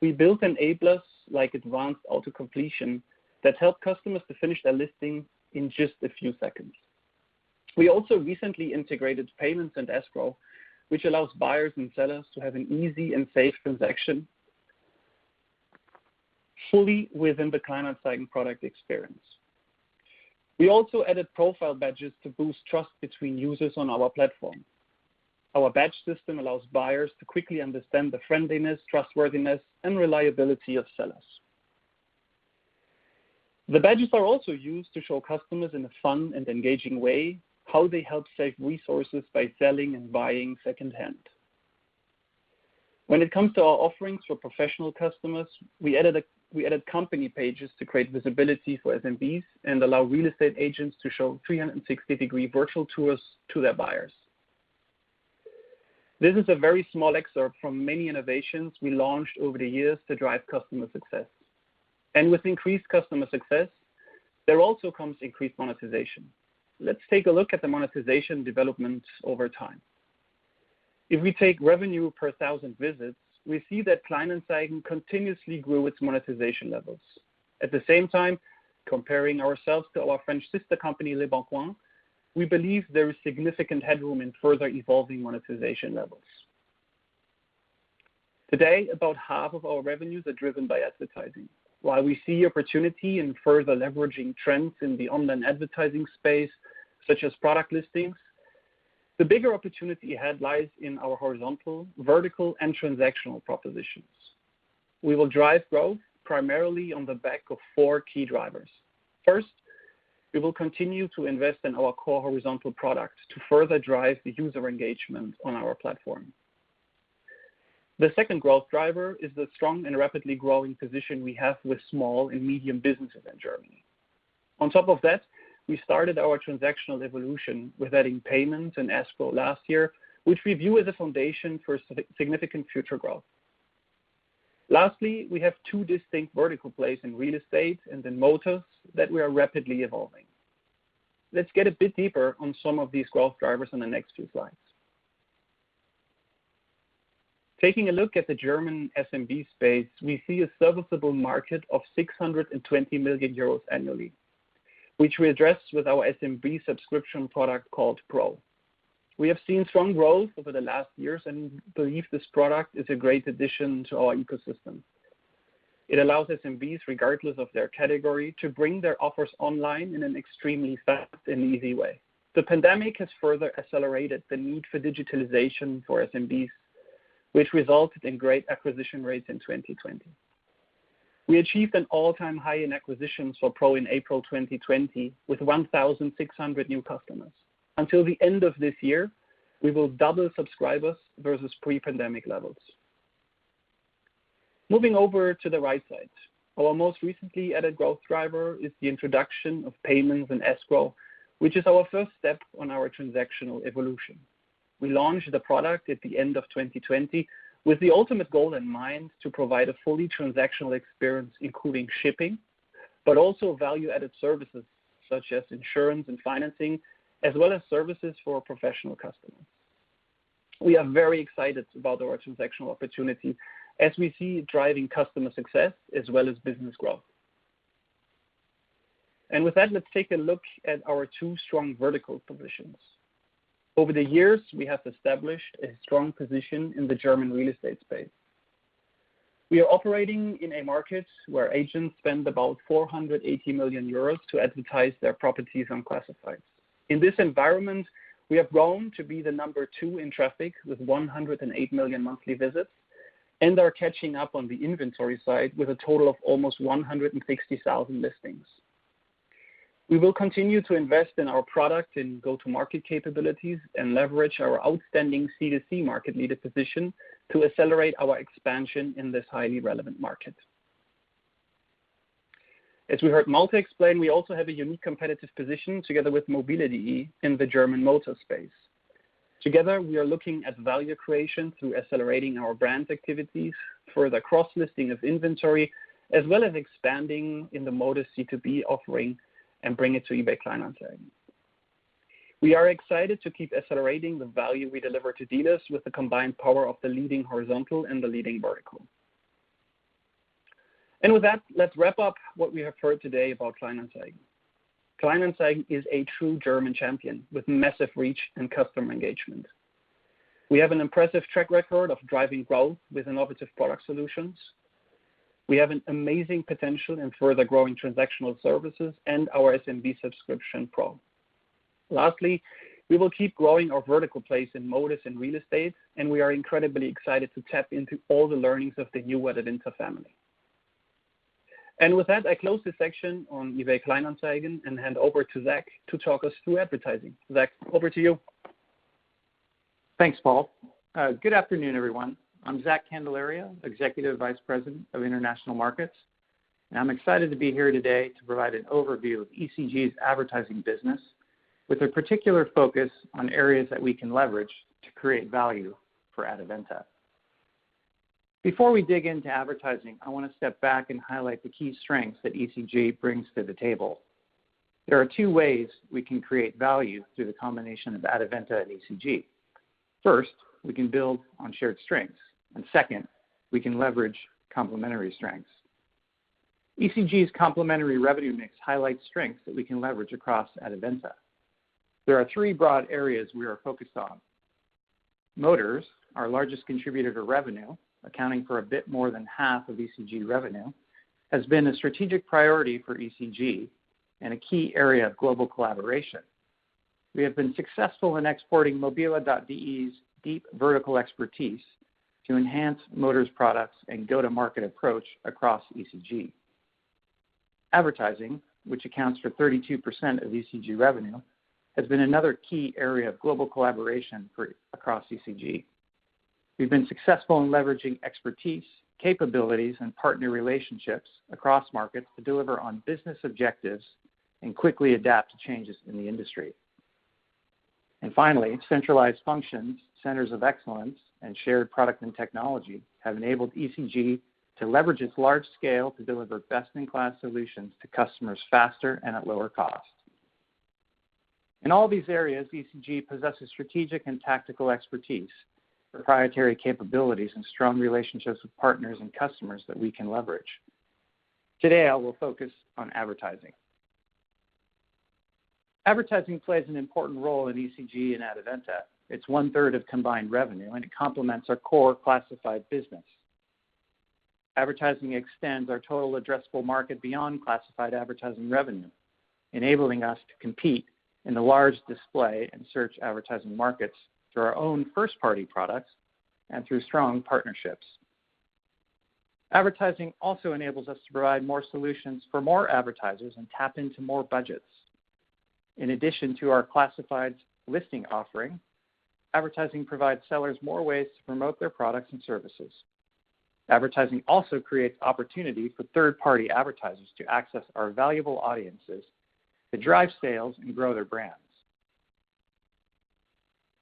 We built an A-plus like advanced auto-completion that help customers to finish their listing in just a few seconds. We also recently integrated payments and escrow, which allows buyers and sellers to have an easy and safe transaction fully within the Kleinanzeigen product experience. We also added profile badges to boost trust between users on our platform. Our badge system allows buyers to quickly understand the friendliness, trustworthiness, and reliability of sellers. The badges are also used to show customers in a fun and engaging way how they help save resources by selling and buying second-hand. When it comes to our offerings for professional customers, we added company pages to create visibility for SMBs and allow real estate agents to show 360-degree virtual tours to their buyers. This is a very small excerpt from many innovations we launched over the years to drive customer success. With increased customer success, there also comes increased monetization. Let's take a look at the monetization development over time. If we take revenue per 1,000 visits, we see that Kleinanzeigen continuously grew its monetization levels. At the same time, comparing ourselves to our French sister company, leboncoin, we believe there is significant headroom in further evolving monetization levels. Today, about half of our revenues are driven by advertising. While we see opportunity in further leveraging trends in the online advertising space, such as product listings, the bigger opportunity ahead lies in our horizontal, vertical, and transactional propositions. We will drive growth primarily on the back of four key drivers. First, we will continue to invest in our core horizontal product to further drive the user engagement on our platform. The second growth driver is the strong and rapidly growing position we have with small and medium businesses in Germany. On top of that, we started our transactional evolution with adding payment and escrow last year, which we view as a foundation for significant future growth. Lastly, we have two distinct vertical plays in real estate and in motors that we are rapidly evolving. Let's get a bit deeper on some of these growth drivers in the next few slides. Taking a look at the German SMB space, we see a serviceable market of 620 million euros annually, which we address with our SMB subscription product called Pro. We have seen strong growth over the last years and believe this product is a great addition to our ecosystem. It allows SMBs, regardless of their category, to bring their offers online in an extremely fast and easy way. The pandemic has further accelerated the need for digitalization for SMBs, which resulted in great acquisition rates in 2020. We achieved an all-time high in acquisitions for Pro in April 2020, with 1,600 new customers. Until the end of this year, we will double subscribers versus pre-pandemic levels. Moving over to the right side, our most recently added growth driver is the introduction of payments in escrow, which is our first step on our transactional evolution. We launched the product at the end of 2020 with the ultimate goal in mind to provide a fully transactional experience, including shipping, but also value-added services such as insurance and financing, as well as services for our professional customers. We are very excited about our transactional opportunity as we see it driving customer success as well as business growth. With that, let's take a look at our two strong vertical positions. Over the years, we have established a strong position in the German real estate space. We are operating in a market where agents spend about 480 million euros to advertise their properties on classifieds. In this environment, we have grown to be the number 2 in traffic with 108 million monthly visits and are catching up on the inventory side with a total of almost 160,000 listings. We will continue to invest in our product and go-to-market capabilities and leverage our outstanding C2C market leader position to accelerate our expansion in this highly relevant market. As we heard Malte explain, we also have a unique competitive position together with mobile.de in the German motor space. Together, we are looking at value creation through accelerating our brand activities for the cross-listing of inventory, as well as expanding in the motor C2B offering and bring it to eBay Kleinanzeigen. We are excited to keep accelerating the value we deliver to dealers with the combined power of the leading horizontal and the leading vertical. With that, let's wrap up what we have heard today about Kleinanzeigen. Kleinanzeigen is a true German champion with massive reach and customer engagement. We have an impressive track record of driving growth with innovative product solutions. We have an amazing potential in further growing transactional services and our SMB subscription Pro. Lastly, we will keep growing our vertical place in motors and real estate, and we are incredibly excited to tap into all the learnings of the new Adevinta family. With that, I close this section on eBay Kleinanzeigen and hand over to Zac to talk us through advertising. Zac, over to you. Thanks, Paul. Good afternoon, everyone. I'm Zac Candelario, Executive Vice President of International Markets. I'm excited to be here today to provide an overview of eCG's advertising business with a particular focus on areas that we can leverage to create value for Adevinta. There are two ways we can create value through the combination of Adevinta and eCG. First, we can build on shared strengths. Second, we can leverage complementary strengths. eCG's complementary revenue mix highlights strengths that we can leverage across Adevinta. There are three broad areas we are focused on. motors.co.uk, our largest contributor to revenue, accounting for a bit more than half of eCG revenue, has been a strategic priority for eCG and a key area of global collaboration. We have been successful in exporting mobile.de's deep vertical expertise to enhance motors products and go-to-market approach across eCG. Advertising, which accounts for 32% of eCG revenue, has been another key area of global collaboration across eCG. We've been successful in leveraging expertise, capabilities, and partner relationships across markets to deliver on business objectives and quickly adapt to changes in the industry. Finally, centralized functions, centers of excellence, and shared product and technology have enabled eCG to leverage its large scale to deliver best-in-class solutions to customers faster and at lower cost. In all these areas, eCG possesses strategic and tactical expertise, proprietary capabilities, and strong relationships with partners and customers that we can leverage. Today, I will focus on advertising. Advertising plays an important role in eCG and Adevinta. It's one-third of combined revenue, and it complements our core classified business. Advertising extends our total addressable market beyond classified advertising revenue, enabling us to compete in the large display and search advertising markets through our own first-party products and through strong partnerships. Advertising also enables us to provide more solutions for more advertisers and tap into more budgets. In addition to our classified listing offering, advertising provides sellers more ways to promote their products and services. Advertising also creates opportunity for third-party advertisers to access our valuable audiences to drive sales and grow their brands.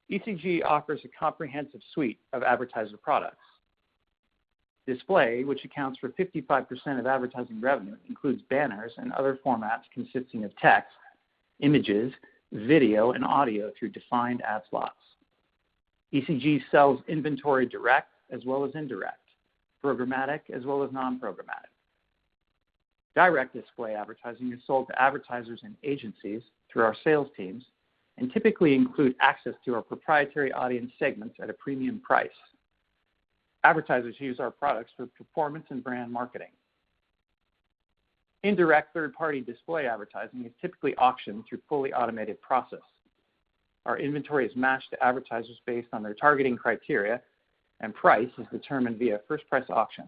eCG offers a comprehensive suite of advertiser products. Display, which accounts for 55% of advertising revenue, includes banners and other formats consisting of text, images, video, and audio through defined ad slots. eCG sells inventory direct as well as indirect, programmatic as well as non-programmatic. Direct display advertising is sold to advertisers and agencies through our sales teams and typically include access to our proprietary audience segments at a premium price. Advertisers use our products for performance and brand marketing. Indirect third-party display advertising is typically auctioned through a fully automated process. Our inventory is matched to advertisers based on their targeting criteria, and price is determined via first-price auction.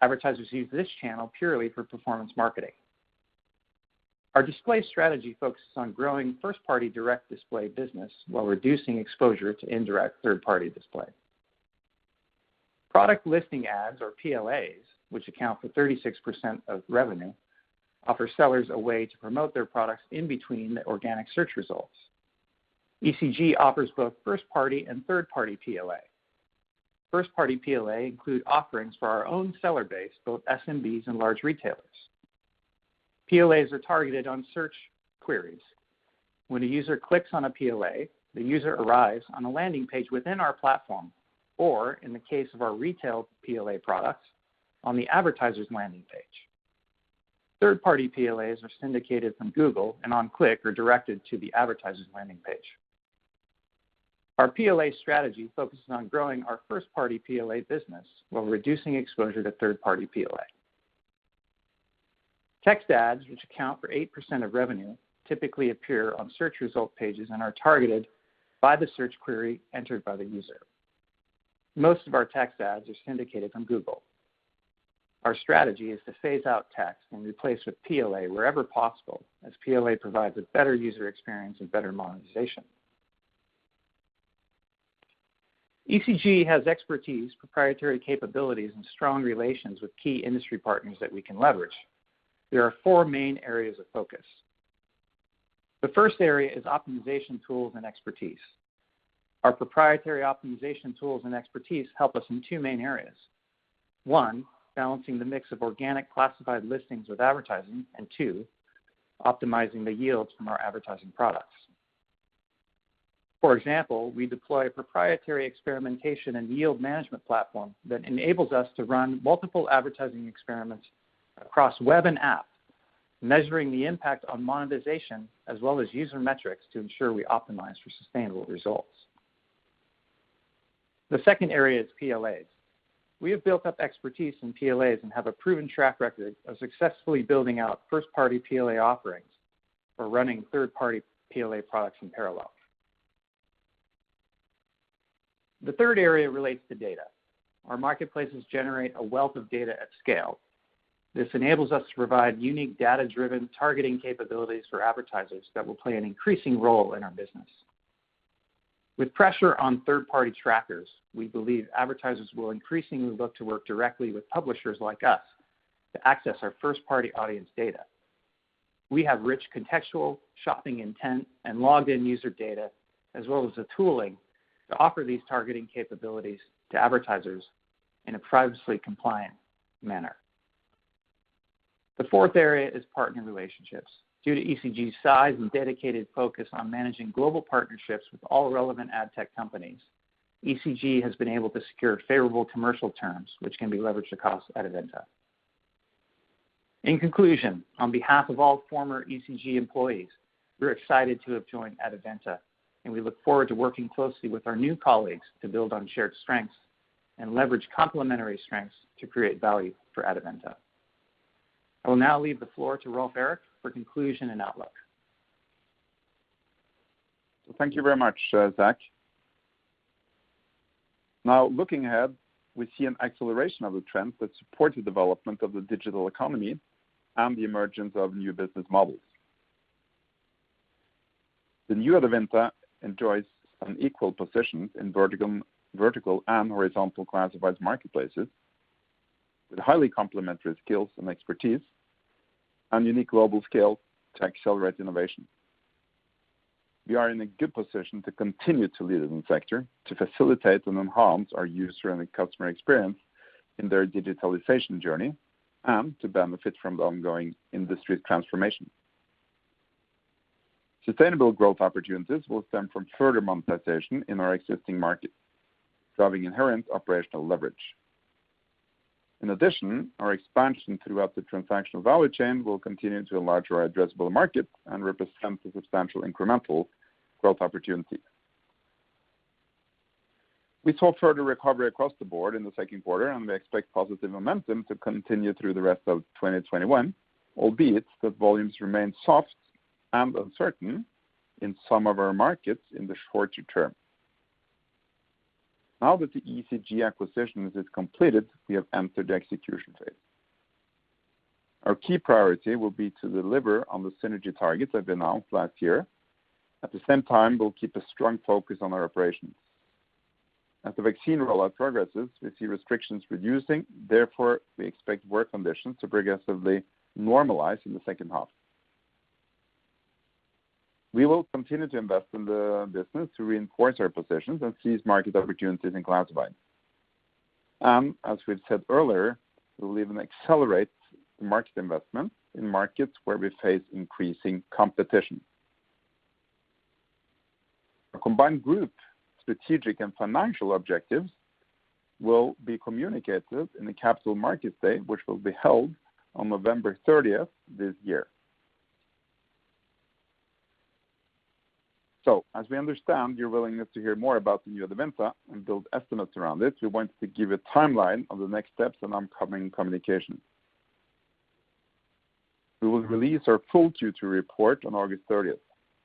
Advertisers use this channel purely for performance marketing. Our display strategy focuses on growing first-party direct display business while reducing exposure to indirect third-party display. Product listing ads or PLAs, which account for 36% of revenue, offer sellers a way to promote their products in between the organic search results. eCG offers both first-party and third-party PLA. First-party PLA include offerings for our own seller base, both SMBs and large retailers. PLAs are targeted on search queries. When a user clicks on a PLA, the user arrives on a landing page within our platform, or in the case of our retail PLA products, on the advertiser's landing page. Third-party PLAs are syndicated from Google and on click are directed to the advertiser's landing page. Our PLA strategy focuses on growing our first-party PLA business while reducing exposure to third-party PLA. Text ads, which account for 8% of revenue, typically appear on search result pages and are targeted by the search query entered by the user. Most of our text ads are syndicated from Google. Our strategy is to phase out text and replace with PLA wherever possible, as PLA provides a better user experience and better monetization. eCG has expertise, proprietary capabilities, and strong relations with key industry partners that we can leverage. There are four main areas of focus. The first area is optimization tools and expertise. Our proprietary optimization tools and expertise help us in two main areas. One, balancing the mix of organic classified listings with advertising, and two, optimizing the yields from our advertising products. For example, we deploy a proprietary experimentation and yield management platform that enables us to run multiple advertising experiments across web and app, measuring the impact on monetization as well as user metrics to ensure we optimize for sustainable results. The Second area is PLAs. We have built up expertise in PLAs and have a proven track record of successfully building out first-party PLA offerings while running Third-party PLA products in parallel. The Third area relates to data. Our marketplaces generate a wealth of data at scale. This enables us to provide unique data-driven targeting capabilities for advertisers that will play an increasing role in our business. With pressure on third-party trackers, we believe advertisers will increasingly look to work directly with publishers like us to access our first-party audience data. We have rich contextual shopping intent and logged-in user data, as well as the tooling to offer these targeting capabilities to advertisers in a privacy-compliant manner. The fourth area is partner relationships. Due to eCG's size and dedicated focus on managing global partnerships with all relevant ad tech companies, eCG has been able to secure favorable commercial terms, which can be leveraged across Adevinta. In conclusion, on behalf of all former eCG employees, we're excited to have joined Adevinta, and we look forward to working closely with our new colleagues to build on shared strengths and leverage complementary strengths to create value for Adevinta. I will now leave the floor to Rolv Erik for conclusion and outlook. Thank you very much, Zac. Now, looking ahead, we see an acceleration of the trends that support the development of the digital economy and the emergence of new business models. The new Adevinta enjoys an equal position in vertical and horizontal classified marketplaces with highly complementary skills and expertise and unique global scale to accelerate innovation. We are in a good position to continue to lead the sector, to facilitate and enhance our user and customer experience in their digitalization journey, and to benefit from the ongoing industry transformation. Sustainable growth opportunities will stem from further monetization in our existing markets, driving inherent operational leverage. In addition, our expansion throughout the transactional value chain will continue to a larger addressable market and represents a substantial incremental growth opportunity. We saw further recovery across the board in the second quarter. We expect positive momentum to continue through the rest of 2021, albeit that volumes remain soft and uncertain in some of our markets in the shorter term. Now that the eCG acquisition is completed, we have entered the execution phase. Our key priority will be to deliver on the synergy targets that were announced last year. At the same time, we'll keep a strong focus on our operations. As the vaccine rollout progresses, we see restrictions reducing. Therefore, we expect work conditions to progressively normalize in the second half. We will continue to invest in the business to reinforce our positions and seize market opportunities in classified. As we've said earlier, we'll even accelerate the market investment in markets where we face increasing competition. Our combined group strategic and financial objectives will be communicated in the Capital Markets Day, which will be held on November 30 this year. As we understand your willingness to hear more about the new Adevinta and build estimates around it, we want to give a timeline on the next steps on upcoming communication. We will release our full Q2 report on August 30.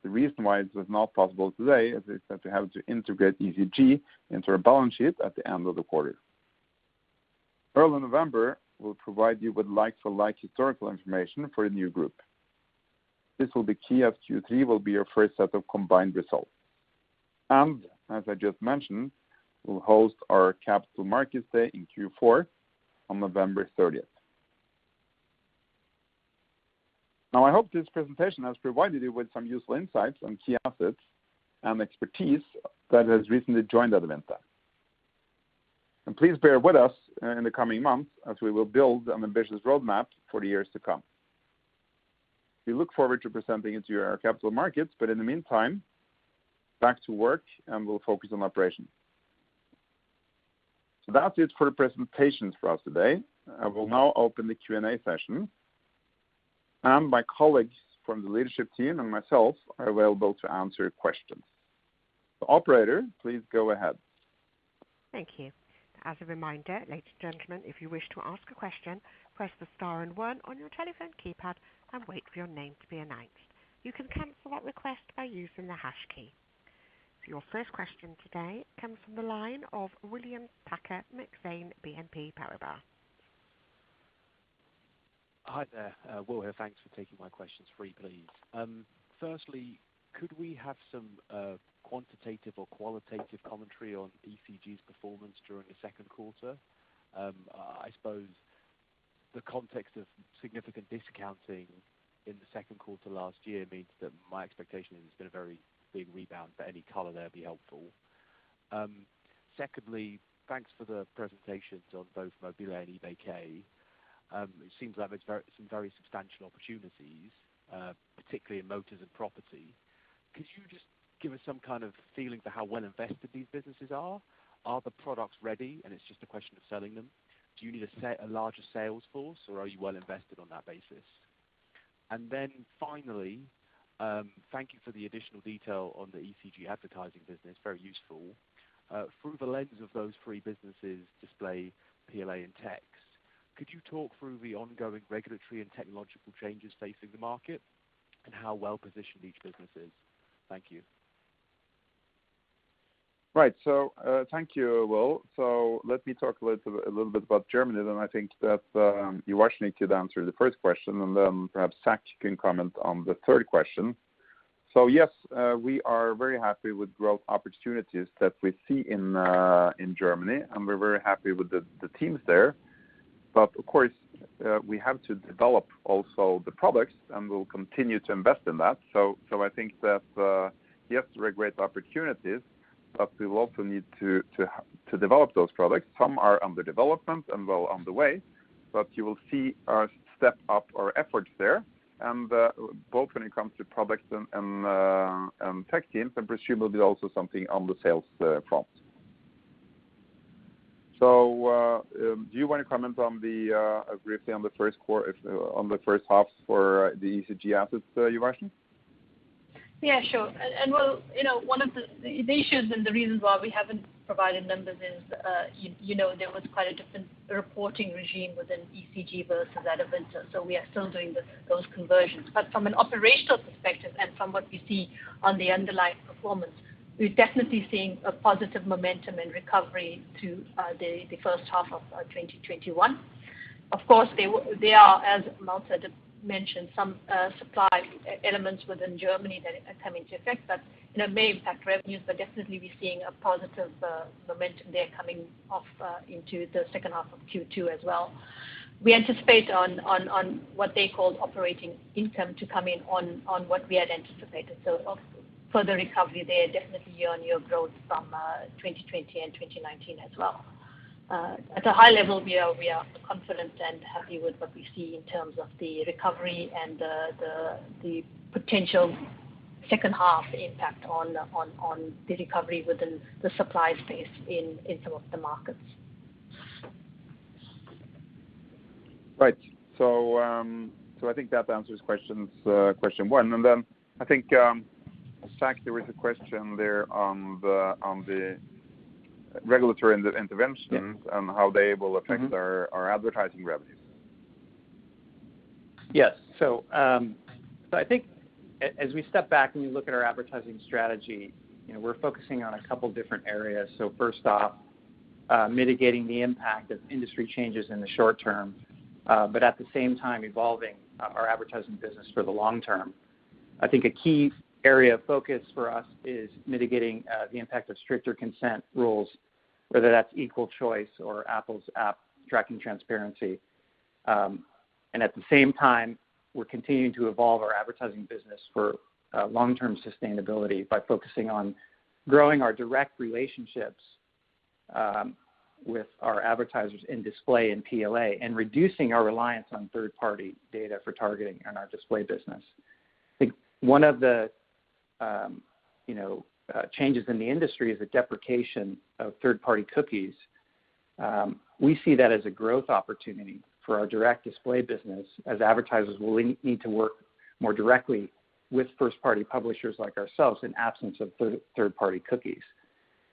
The reason why this is not possible today is that we have to integrate eCG into our balance sheet at the end of the quarter. Early November, we'll provide you with like-for-like historical information for the new group. This will be key, as Q3 will be our first set of combined results. As I just mentioned, we'll host our Capital Markets Day in Q4 on November 30. I hope this presentation has provided you with some useful insights on key assets and expertise that has recently joined Adevinta. Please bear with us in the coming months as we will build an ambitious roadmap for the years to come. We look forward to presenting to you our Capital Markets Day, but in the meantime, back to work, and we'll focus on operations. That's it for presentations for us today. I will now open the Q&A session, and my colleagues from the leadership team and myself are available to answer your questions. Operator, please go ahead. Thank you. As a reminder, ladies and gentlemen, if you wish to ask a question, press star and one on your telephone keypad and wait for your name to be announced. You can cancel a request by using the hash key. Your first question today comes from the line of William Packer, Exane BNP Paribas. Hi there, Will here. Thanks for taking my questions. Three, please. Firstly, could we have some quantitative or qualitative commentary on eCG's performance during the second quarter? I suppose the context of significant discounting in the second quarter last year means that my expectation isn't a very big rebound, but any color there would be helpful. Secondly, thanks for the presentations on both mobile and eBay K. It seems like there's some very substantial opportunities, particularly in motors and property. Could you just give us some kind of feeling for how well invested these businesses are? Are the products ready, and it's just a question of selling them? Do you need a larger sales force, or are you well invested on that basis? Finally, thank you for the additional detail on the eCG advertising business. Very useful. For the drivers of those three businesses, display, PLA, and text, could you talk through the ongoing regulatory and technological changes facing the market and how well-positioned each business is? Thank you. Right. Thank you, Will. Let me talk a little bit about Germany, then I think that Uvashni could answer the first question, and then perhaps Zac can comment on the third question. Yes, we are very happy with growth opportunities that we see in Germany, and we're very happy with the teams there. Of course, we have to develop also the products, and we'll continue to invest in that. I think that yes, there are great opportunities, but we will also need to develop those products. Some are under development and well on the way, but you will see us step up our efforts there, both when it comes to products and tech teams, and presumably also something on the sales front. Do you want to comment briefly on the first half for the eCG assets, Uvashni? Yeah, sure. Will, one of the issues and the reasons why we have not provided numbers is there was quite a different reporting regime within eCG versus Adevinta, we are still doing those conversions. From an operational perspective and from what we see on the underlying performance, we are definitely seeing a positive momentum and recovery to the first half of 2021. Of course, there are, as Malte just mentioned, some supply elements within Germany that are coming to effect that may impact revenues, definitely we are seeing a positive momentum there coming off into the second half of Q2 as well. We anticipate on what they call operating income to come in on what we had anticipated. Further recovery there, definitely year-over-year growth from 2020 and 2019 as well. At a high level, we are confident and happy with what we see in terms of the recovery and the potential second-half impact on the recovery within the supply space in some of the markets. Right. I think that answers question one. I think, Zac, there was a question there on the regulatory interventions and how they will affect our advertising revenues. Yes. I think as we step back and we look at our advertising strategy, we're focusing on a couple different areas. First off, mitigating the impact of industry changes in the short term, but at the same time evolving our advertising business for the long term. I think a key area of focus for us is mitigating the impact of stricter consent rules, whether that's equal choice or Apple's App Tracking Transparency. At the same time, we're continuing to evolve our advertising business for long-term sustainability by focusing on growing our direct relationships with our advertisers in display and PLA and reducing our reliance on third-party data for targeting in our display business. I think one of the changes in the industry is the deprecation of third-party cookies. We see that as a growth opportunity for our direct display business as advertisers will need to work more directly with first-party publishers like ourselves in absence of third-party cookies.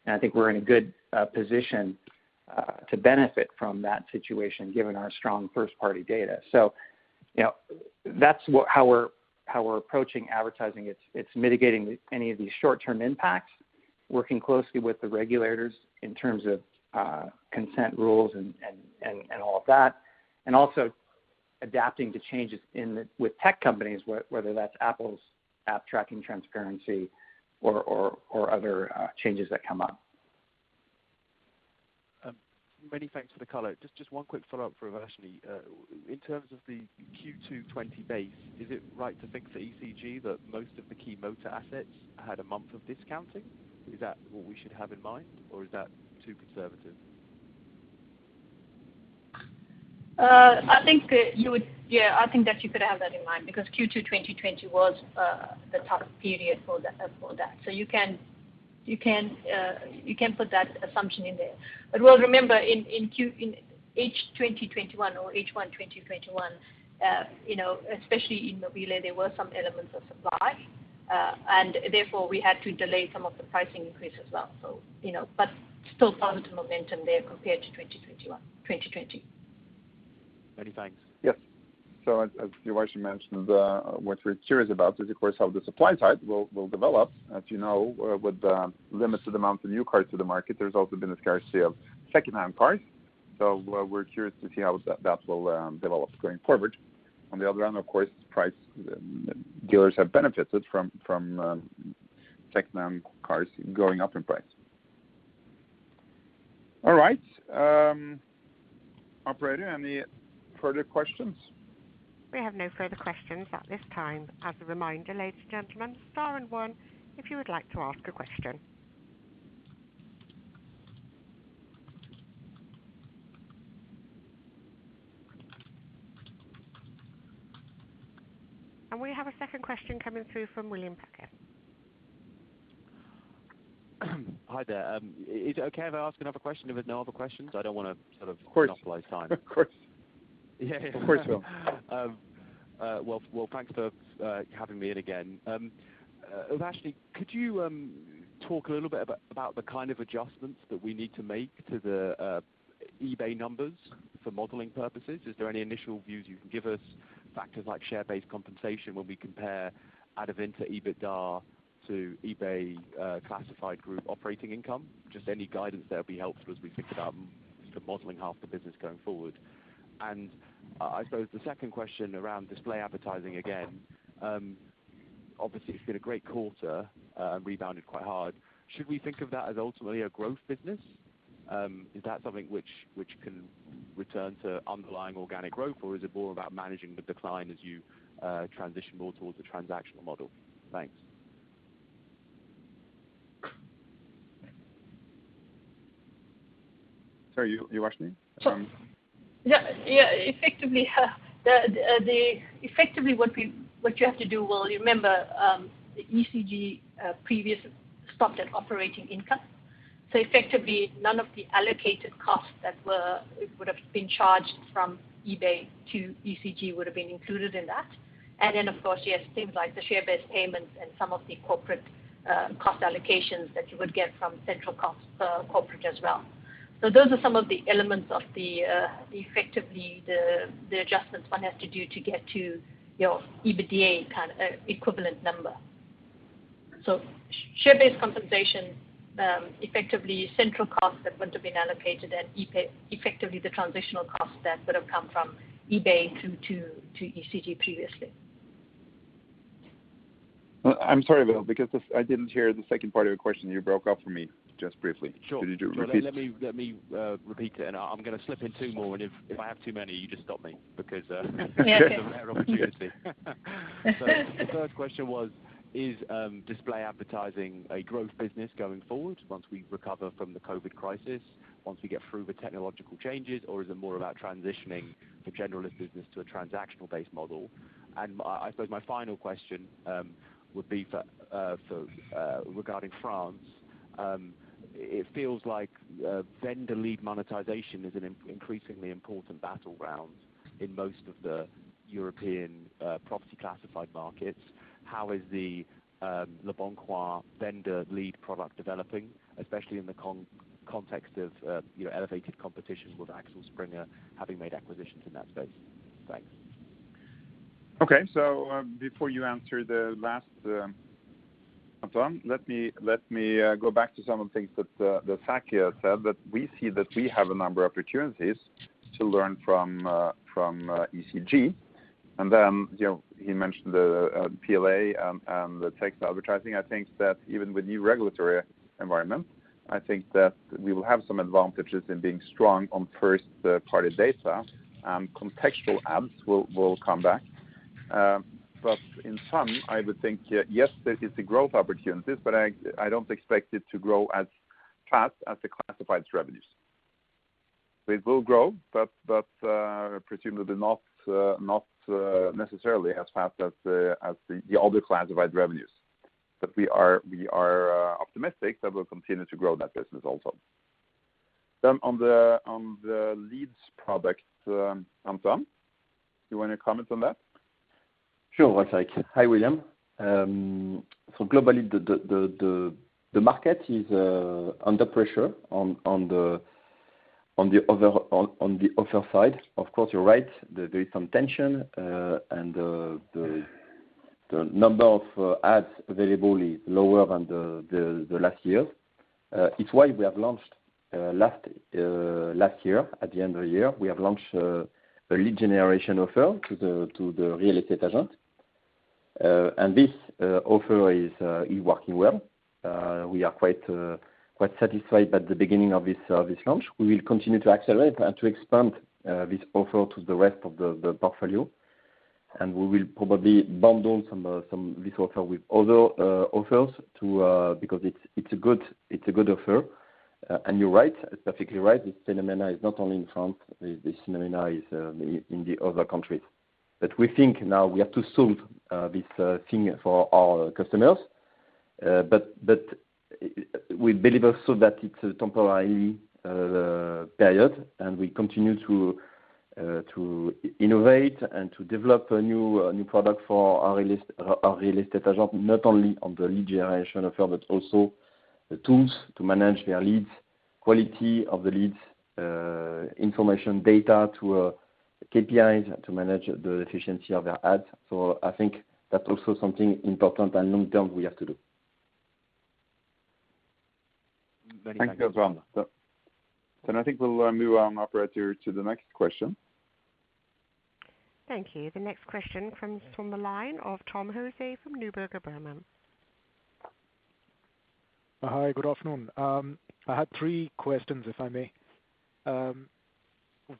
I think we're in a good position to benefit from that situation, given our strong first-party data. That's how we're approaching advertising. It's mitigating any of the short-term impacts, working closely with the regulators in terms of consent rules and all of that, and also adapting to changes with tech companies, whether that's Apple's App Tracking Transparency or other changes that come up. Many thanks for the color. Just one quick follow-up for Uvashni. In terms of the Q2 2020 base, is it right to think for eCG that most of the key motor assets had a month of discounting? Is that what we should have in mind, or is that too conservative? Yeah, I think that you could have that in mind because Q2 2020 was the toughest period for that. You can put that assumption in there. Remember, in H1 2021, especially in the retail, there were some elements of supply, and therefore we had to delay some of the pricing increase as well. Still found some momentum there compared to 2020. Many thanks. Yep. as Uvashni mentioned, what we're curious about is, of course, how the supply side will develop. As you know, with the limited amount of new cars to the market, there's also been a scarcity of secondhand cars. we're curious to see how that will develop going forward. On the other hand, of course, dealers have benefited from secondhand cars going up in price. All right. Operator, any further questions? We have no further questions at this time. As a reminder, ladies and gentlemen, star one if you would like to ask a question. We have a second question coming through from William Packer. Hi there. Is it okay if I ask another question if there are no other questions? I don't want to sort of monopolize time. Of course, sir. Well, thanks for having me in again. Uvashni, could you talk a little bit about the kind of adjustments that we need to make to the eBay numbers for modeling purposes? Is there any initial views you can give us, factors like share-based compensation when we compare Adevinta EBITDA to eBay Classifieds Group operating income? Just any guidance there will be helpful as we think about modeling half the business going forward. I suppose the second question around display advertising again. Obviously, it's been a great quarter, rebounded quite hard. Should we think of that as ultimately a growth business? Is that something which can return to underlying organic growth, or is it more about managing the decline as you transition more towards the transactional model? Thanks. Sorry, Uvashni. Yeah. Effectively, what you have to do, you remember the eCG previous stopped at operating income. Effectively, none of the allocated costs that would've been charged from eBay to eCG would've been included in that. Of course, you have things like the share-based payments and some of the corporate cost allocations that you would get from central corporate as well. Those are some of the elements of the adjustments one has to do to get to your EBITDA equivalent number. Share-based compensation, effectively central costs that would've been allocated, and effectively the transitional costs then that have come from eBay to eCG previously. I'm sorry, Will, because I didn't hear the second part of your question. You broke up for me just briefly. Could you repeat it? Sure. Let me repeat that, and I'm going to slip in two more, and if I have too many, you just stop me because I'm a terrible guest here. The first question was, is display advertising a growth business going forward once we recover from the COVID crisis, once we get through the technological changes, or is it more about transitioning the generalist business to a transactional-based model? I suppose my final question would be regarding France. It feels like vendor lead monetization is an increasingly important battleground in most of the European property classified markets. How is the leboncoin vendor lead product developing, especially in the context of your elevated competition with Axel Springer having made acquisitions in that space? Thanks. Okay. before you answer the last one, let me go back to some of the things that Zac said, that we see that we have a number of opportunities to learn from eCG. he mentioned the PLA and the text advertising. I think that even with new regulatory environment, I think that we will have some advantages in being strong on first-party data and contextual ads will come back. In sum, I would think, yes, there is the growth opportunities, but I don't expect it to grow as fast as the classifieds revenues. They will grow, but presumably not necessarily as fast as the other classified revenues. We are optimistic that we'll continue to grow that business also. On the leads product, Antoine, do you want to comment on that? Sure. Hi, William. Globally, the market is under pressure on the offer side. Of course, you're right, there is some tension, and the number of ads available is lower than the last year. It's why we have launched last year, at the end of the year, we have launched a lead generation offer to the real estate agent, and this offer is working well. We are quite satisfied at the beginning of this launch. We will continue to accelerate and to expand this offer to the rest of the portfolio, and we will probably bundle this offer with other offers, because it's a good offer. You're right, it's perfectly right, this phenomena is not only in France, this phenomena is in the other countries. We think now we have to solve this thing for our customers. we believe also that it's a temporary period, and we continue to innovate and to develop a new product for our real estate agent, not only on the lead generation offer, but also the tools to manage their leads, quality of the leads, information data to KPIs to manage the efficiency of their ads. I think that's also something important and long-term we have to do. Thank you, Antoine. I think we'll move on operator to the next question. Thank you. The next question comes from the line of Tom Jose from Neuberger Berman. Hi, good afternoon. I had three questions, if I may.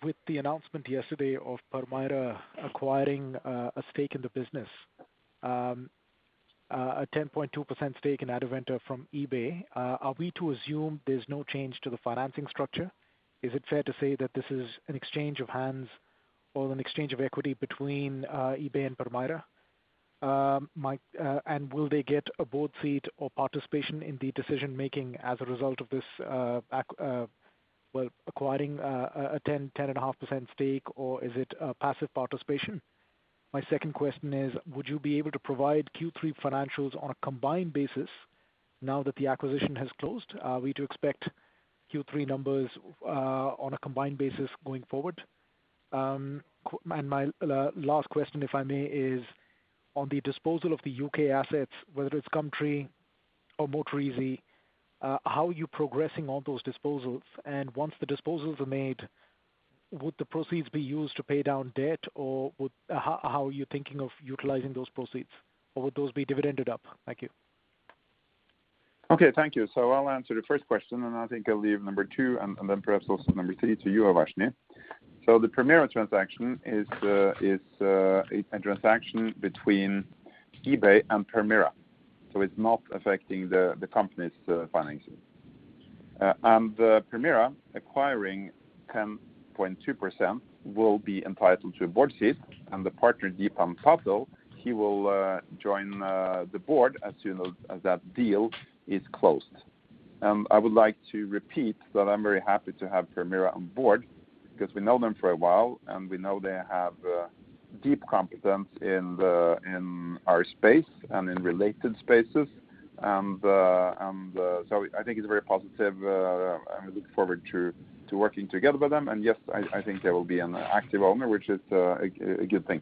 With the announcement yesterday of Permira acquiring a stake in the business, a 10.2% stake in Adevinta from eBay, are we to assume there's no change to the financing structure? Is it fair to say that this is an exchange of hands or an exchange of equity between eBay and Permira? Will they get a board seat or participation in the decision-making as a result of this acquiring a 10.5% stake, or is it a passive participation? My second question is, would you be able to provide Q3 financials on a combined basis now that the acquisition has closed? Are we to expect Q3 numbers on a combined basis going forward? My last question, if I may, is on the disposal of the U.K. assets, whether it's Gumtree or MotorEasy, how are you progressing on those disposals? once the disposals are made, would the proceeds be used to pay down debt, or how are you thinking of utilizing those proceeds? would those be dividended up? Thank you. Okay, thank you. I'll answer the first question, and I think I'll leave number two and then address also number three to you, Uvashni. The Permira transaction is a transaction between eBay and Permira, so it's not affecting the company's financing. Permira acquiring 10.2% will be entitled to a board seat, and the partner, Dipan Patel, he will join the board as soon as that deal is closed. I would like to repeat that I'm very happy to have Permira on board because we know them for a while, and we know they have deep competence in our space and in related spaces. I think it's very positive, and I look forward to working together with them. Yes, I think they will be an active owner, which is a good thing.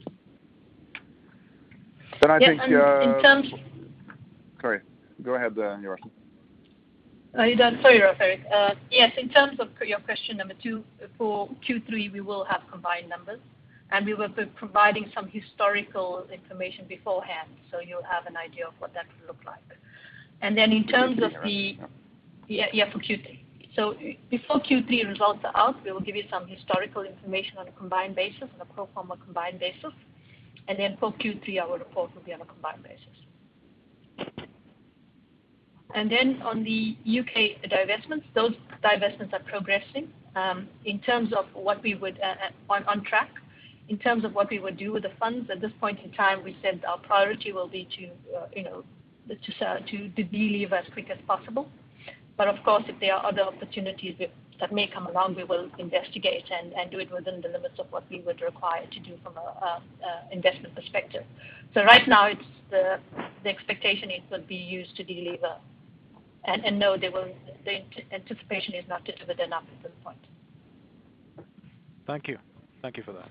Can I just. Yes, in terms. Sorry, go ahead, Uvashni. No, sorry, Rolv Erik. Yes, in terms of your question number two, for Q3, we will have combined numbers, and we will be providing some historical information beforehand, so you'll have an idea of what that will look like. in terms of the. For Q3? Yeah, for Q3. Before Q3 results are out, we will give you some historical information on a combined basis, a pro forma combined basis. Then for Q3, our report will be on a combined basis. Then on the U.K. divestments, those divestments are progressing. On track. In terms of what we would do with the funds, at this point in time, we said our priority will be to de-lever as quick as possible. Of course, if there are other opportunities that may come along, we will investigate and do it within the limits of what we would require to do from an investment perspective. Right now, the expectation is to be used to de-lever, and no, the anticipation is not to dividend up at this point. Thank you for that.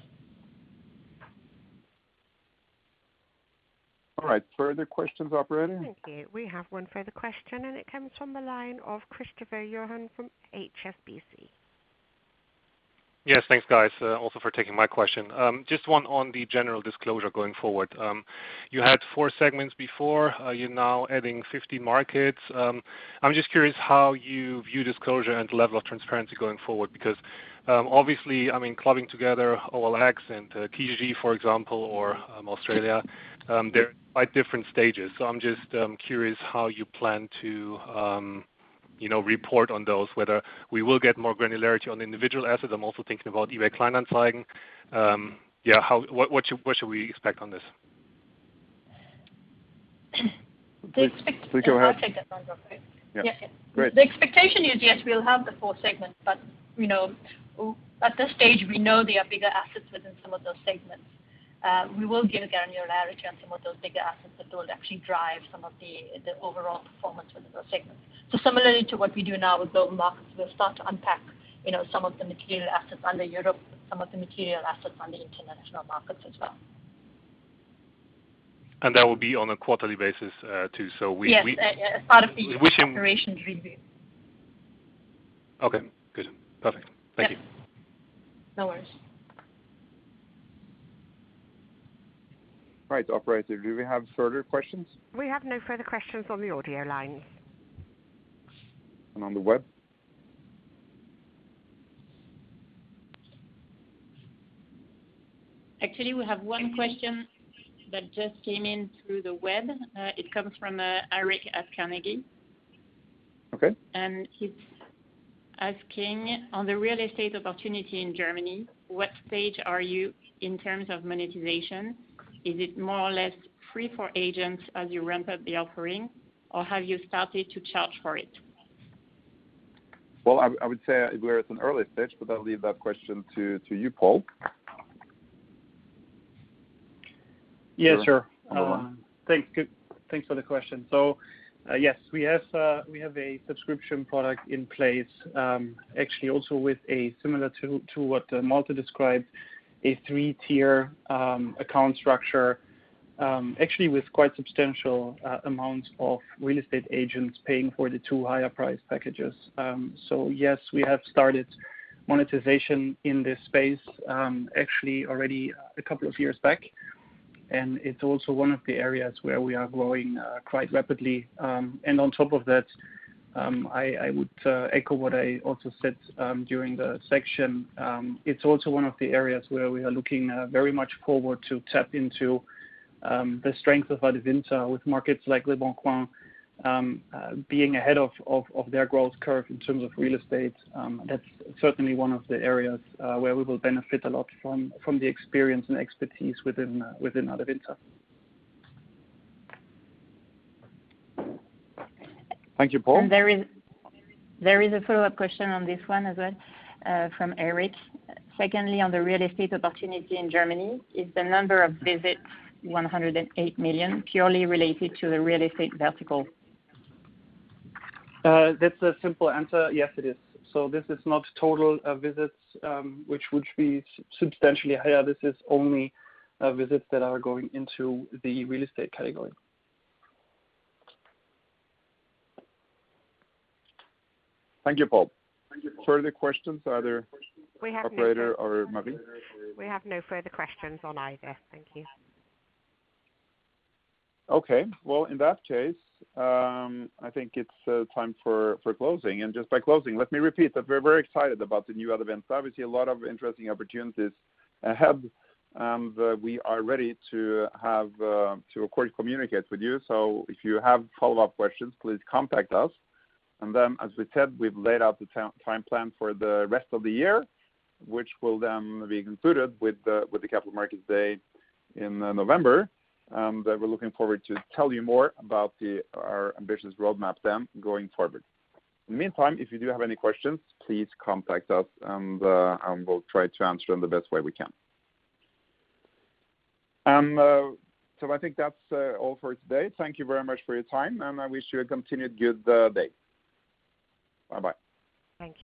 All right. Further questions, operator? Thank you. We have one further question, and it comes from the line of Christopher Johnen from HSBC. Yes. Thanks, guys, also for taking my question. Just one on the general disclosure going forward. You had four segments before. You're now adding 50 markets. I'm just curious how you view disclosure and level of transparency going forward, because obviously, clubbing together OLX and TGG, for example, or Australia, they're at different stages. I'm just curious how you plan to report on those, whether we will get more granularity on individual assets. I'm also thinking about eBay Kleinanzeigen. What should we expect on this? Go ahead. The expectation is, yes, we'll have the four segments, but at this stage, we know there'll be big assets within some of those segments. We will give granularity on some of those bigger assets that will actually drive some of the overall performance of those segments. similar to what we do now with growth markets, we'll start to unpack some of the material assets under Europe, some of the material assets under the international markets as well. That will be on a quarterly basis, too? Yes, as part of the operations review. Okay, good. Perfect. Thank you. No worries. Right. Operator, do we have further questions? We have no further questions on the audio line. And on the web? Actually, we have one question that just came in through the web. It comes from Eirik at Carnegie. Okay. He's asking, on the real estate opportunity in Germany, what stage are you in terms of monetization? Is it more or less free for agents as you ramp up the offering, or have you started to charge for it? Well, I would say we're at an early stage, but I'll leave that question to you, Paul. Yes, sure. Thanks for the question. yes, we have a subscription product in place, actually also with a similar to what Malte described, a three-tier account structure, actually with quite substantial amounts of real estate agents paying for the two higher priced packages. yes, we have started monetization in this space, actually already a couple of years back, and it's also one of the areas where we are growing quite rapidly. on top of that, I would echo what I also said during the section. It's also one of the areas where we are looking very much forward to tap into the strength of Adevinta with markets like leboncoin being ahead of their growth curve in terms of real estate. That's certainly one of the areas where we will benefit a lot from the experience and expertise within Adevinta. Thank you, Paul. There is a follow-up question on this one as well from Eirik. Secondly, on the real estate opportunity in Germany, is the number of visits, 108 million, purely related to the real estate vertical? That's a simple answer. Yes, it is. This is not total visits, which would be substantially higher. This is only visits that are going into the real estate category. Thank you, Paul. Further questions, either operator or Marie? We have no further questions on either. Thank you. Okay. Well, in that case, I think it's time for closing. Just by closing, let me repeat that we're very excited about the new Adevinta. Obviously, a lot of interesting opportunities ahead, and we are ready to, of course, communicate with you. If you have follow-up questions, please contact us. As we said, we've laid out the time plan for the rest of the year, which will then be concluded with the Capital Markets Day in November. We're looking forward to tell you more about our ambitious roadmap then going forward. In the meantime, if you do have any questions, please contact us, and we'll try to answer in the best way we can. I think that's all for today. Thank you very much for your time, and I wish you a continued good day. Bye-bye. Thanks.